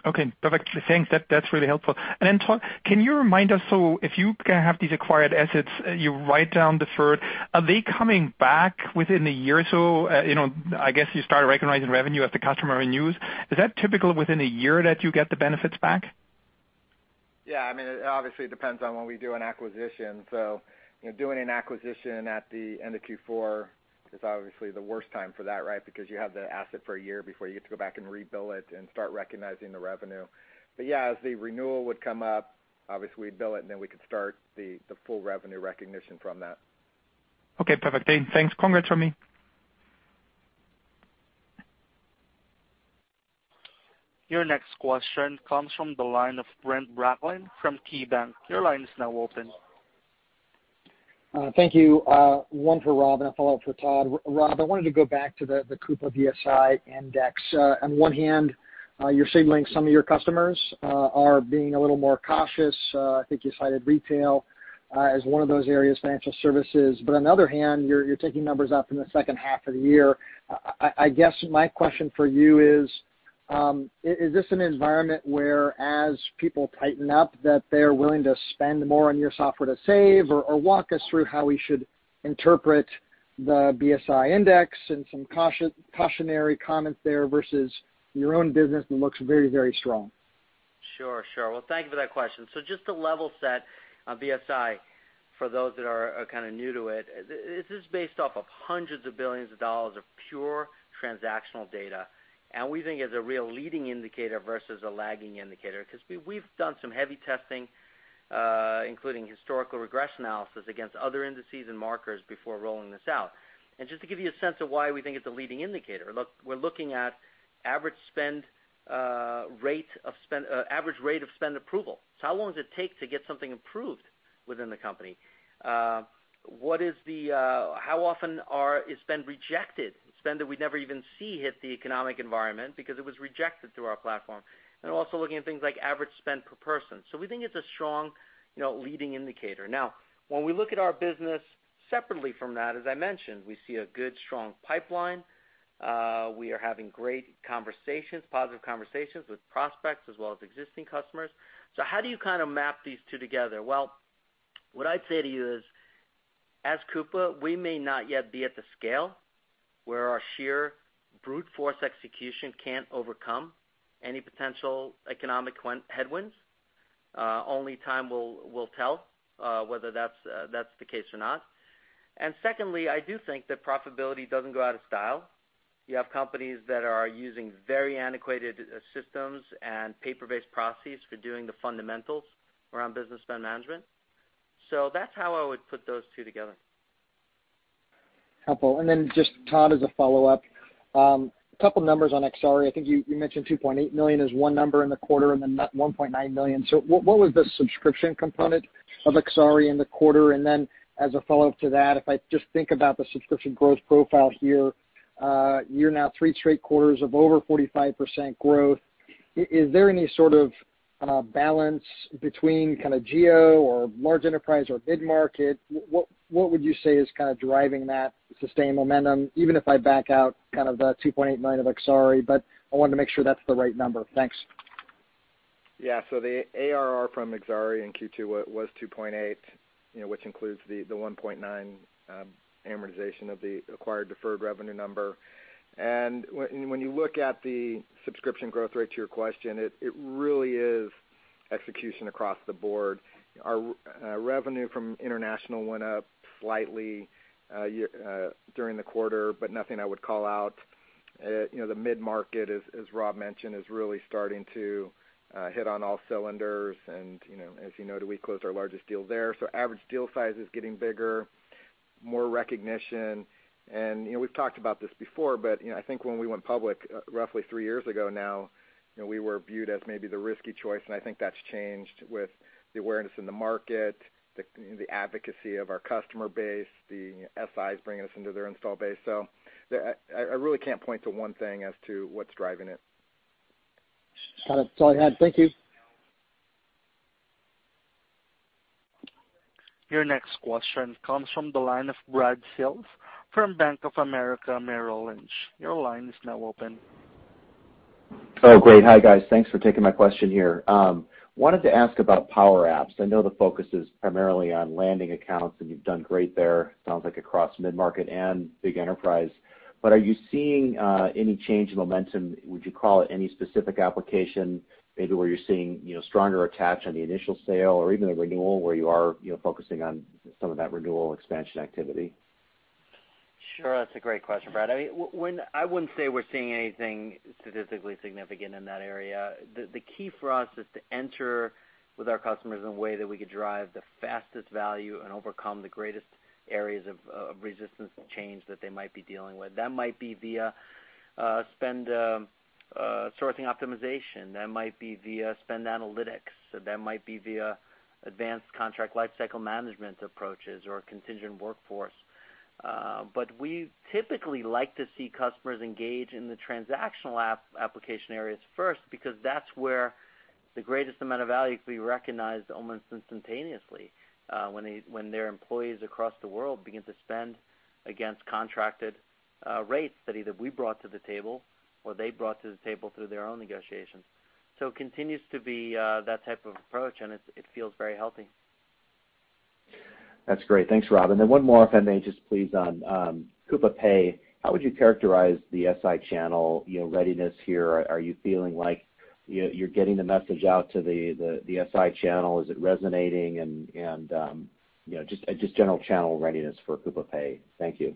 Okay, perfect. Thanks. That's really helpful. Todd, can you remind us, if you have these acquired assets, you write down deferred, are they coming back within a year or so? I guess you start recognizing revenue as the customer renews. Is that typical within a year that you get the benefits back? Yeah. Obviously, it depends on when we do an acquisition. Doing an acquisition at the end of Q4 is obviously the worst time for that, right? Because you have the asset for a year before you get to go back and rebuild it and start recognizing the revenue. Yeah, as the renewal would come up, obviously, we'd bill it, and then we could start the full revenue recognition from that. Okay, perfect. Thanks. Congrats from me. Your next question comes from the line of Brent Bracelin from KeyBanc. Your line is now open. Thank you. One for Rob and a follow-up for Todd. Rob, I wanted to go back to the Coupa BSI index. On one hand, you're signaling some of your customers are being a little more cautious. I think you cited retail as one of those areas, financial services. On the other hand, you're taking numbers up in the second half of the year. I guess my question for you is this an environment where as people tighten up, that they're willing to spend more on your software to save? Walk us through how we should interpret the BSI index and some cautionary comments there versus your own business that looks very, very strong. Sure. Well, thank you for that question. Just to level set on BSI, for those that are kind of new to it, this is based off of hundreds of billions of dollars of pure transactional data. We think it's a real leading indicator versus a lagging indicator, because we've done some heavy testing, including historical regression analysis against other indices and markers before rolling this out. Just to give you a sense of why we think it's a leading indicator, look, we're looking at average rate of spend approval. How long does it take to get something approved within the company? How often is spend rejected, spend that we never even see hit the economic environment because it was rejected through our platform? Also looking at things like average spend per person. We think it's a strong leading indicator. When we look at our business separately from that, as I mentioned, we see a good, strong pipeline. We are having great conversations, positive conversations with prospects as well as existing customers. How do you kind of map these two together? Well, what I'd say to you is, as Coupa, we may not yet be at the scale where our sheer brute force execution can't overcome any potential economic headwinds. Only time will tell whether that's the case or not. Secondly, I do think that profitability doesn't go out of style. You have companies that are using very antiquated systems and paper-based processes for doing the fundamentals around business spend management. That's how I would put those two together. Helpful. Just, Todd, as a follow-up, a couple of numbers on Exari. I think you mentioned $2.8 million is one number in the quarter and then $1.9 million. What was the subscription component of Exari in the quarter? As a follow-up to that, if I just think about the subscription growth profile here, you're now three straight quarters of over 45% growth. Is there any sort of balance between kind of geo or large enterprise or mid-market? What would you say is kind of driving that sustained momentum? Even if I back out kind of the $2.89 million of Exari, I wanted to make sure that's the right number. Thanks. Yeah, so the ARR from Exari in Q2 was $2.8, which includes the $1.9 amortization of the acquired deferred revenue number. When you look at the subscription growth rate to your question, it really is execution across the board. Our revenue from international went up slightly during the quarter, but nothing I would call out. The mid-market, as Rob mentioned, is really starting to hit on all cylinders. As you know, did we close our largest deal there. Average deal size is getting bigger, more recognition. We've talked about this before, but I think when we went public roughly three years ago now, we were viewed as maybe the risky choice, and I think that's changed with the awareness in the market, the advocacy of our customer base, the SIs bringing us into their install base. I really can't point to one thing as to what's driving it. Got it. That's all I had. Thank you. Your next question comes from the line of Brad Sills from Bank of America Merrill Lynch. Your line is now open. Oh, great. Hi, guys. Thanks for taking my question here. Wanted to ask about Coupa Pay. I know the focus is primarily on landing accounts, and you've done great there, sounds like across mid-market and big enterprise. Are you seeing any change in momentum? Would you call it any specific application, maybe where you're seeing stronger attach on the initial sale or even the renewal where you are focusing on some of that renewal expansion activity? Sure. That's a great question, Brad. I wouldn't say we're seeing anything statistically significant in that area. The key for us is to enter with our customers in a way that we could drive the fastest value and overcome the greatest areas of resistance and change that they might be dealing with. That might be via spend sourcing optimization, that might be via spend analytics, that might be via advanced contract lifecycle management approaches or contingent workforce. We typically like to see customers engage in the transactional application areas first because that's where the greatest amount of value can be recognized almost instantaneously, when their employees across the world begin to spend against contracted rates that either we brought to the table or they brought to the table through their own negotiations. It continues to be that type of approach, and it feels very healthy. That's great. Thanks, Rob. One more, if I may just please, on Coupa Pay. How would you characterize the SI channel readiness here? Are you feeling like you're getting the message out to the SI channel? Is it resonating? Just general channel readiness for Coupa Pay. Thank you.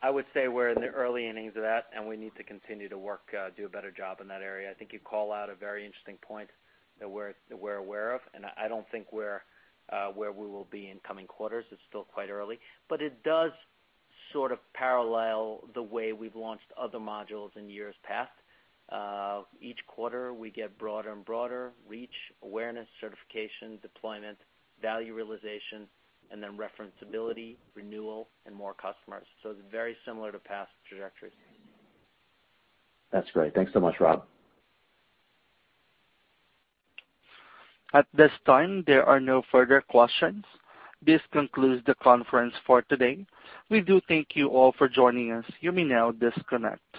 I would say we're in the early innings of that, and we need to continue to work, do a better job in that area. I think you call out a very interesting point that we're aware of, and I don't think where we will be in coming quarters, it's still quite early. It does sort of parallel the way we've launched other modules in years past. Each quarter, we get broader and broader reach, awareness, certification, deployment, value realization, and then referenceability, renewal, and more customers. It's very similar to past trajectories. That's great. Thanks so much, Rob. At this time, there are no further questions. This concludes the conference for today. We do thank you all for joining us. You may now disconnect.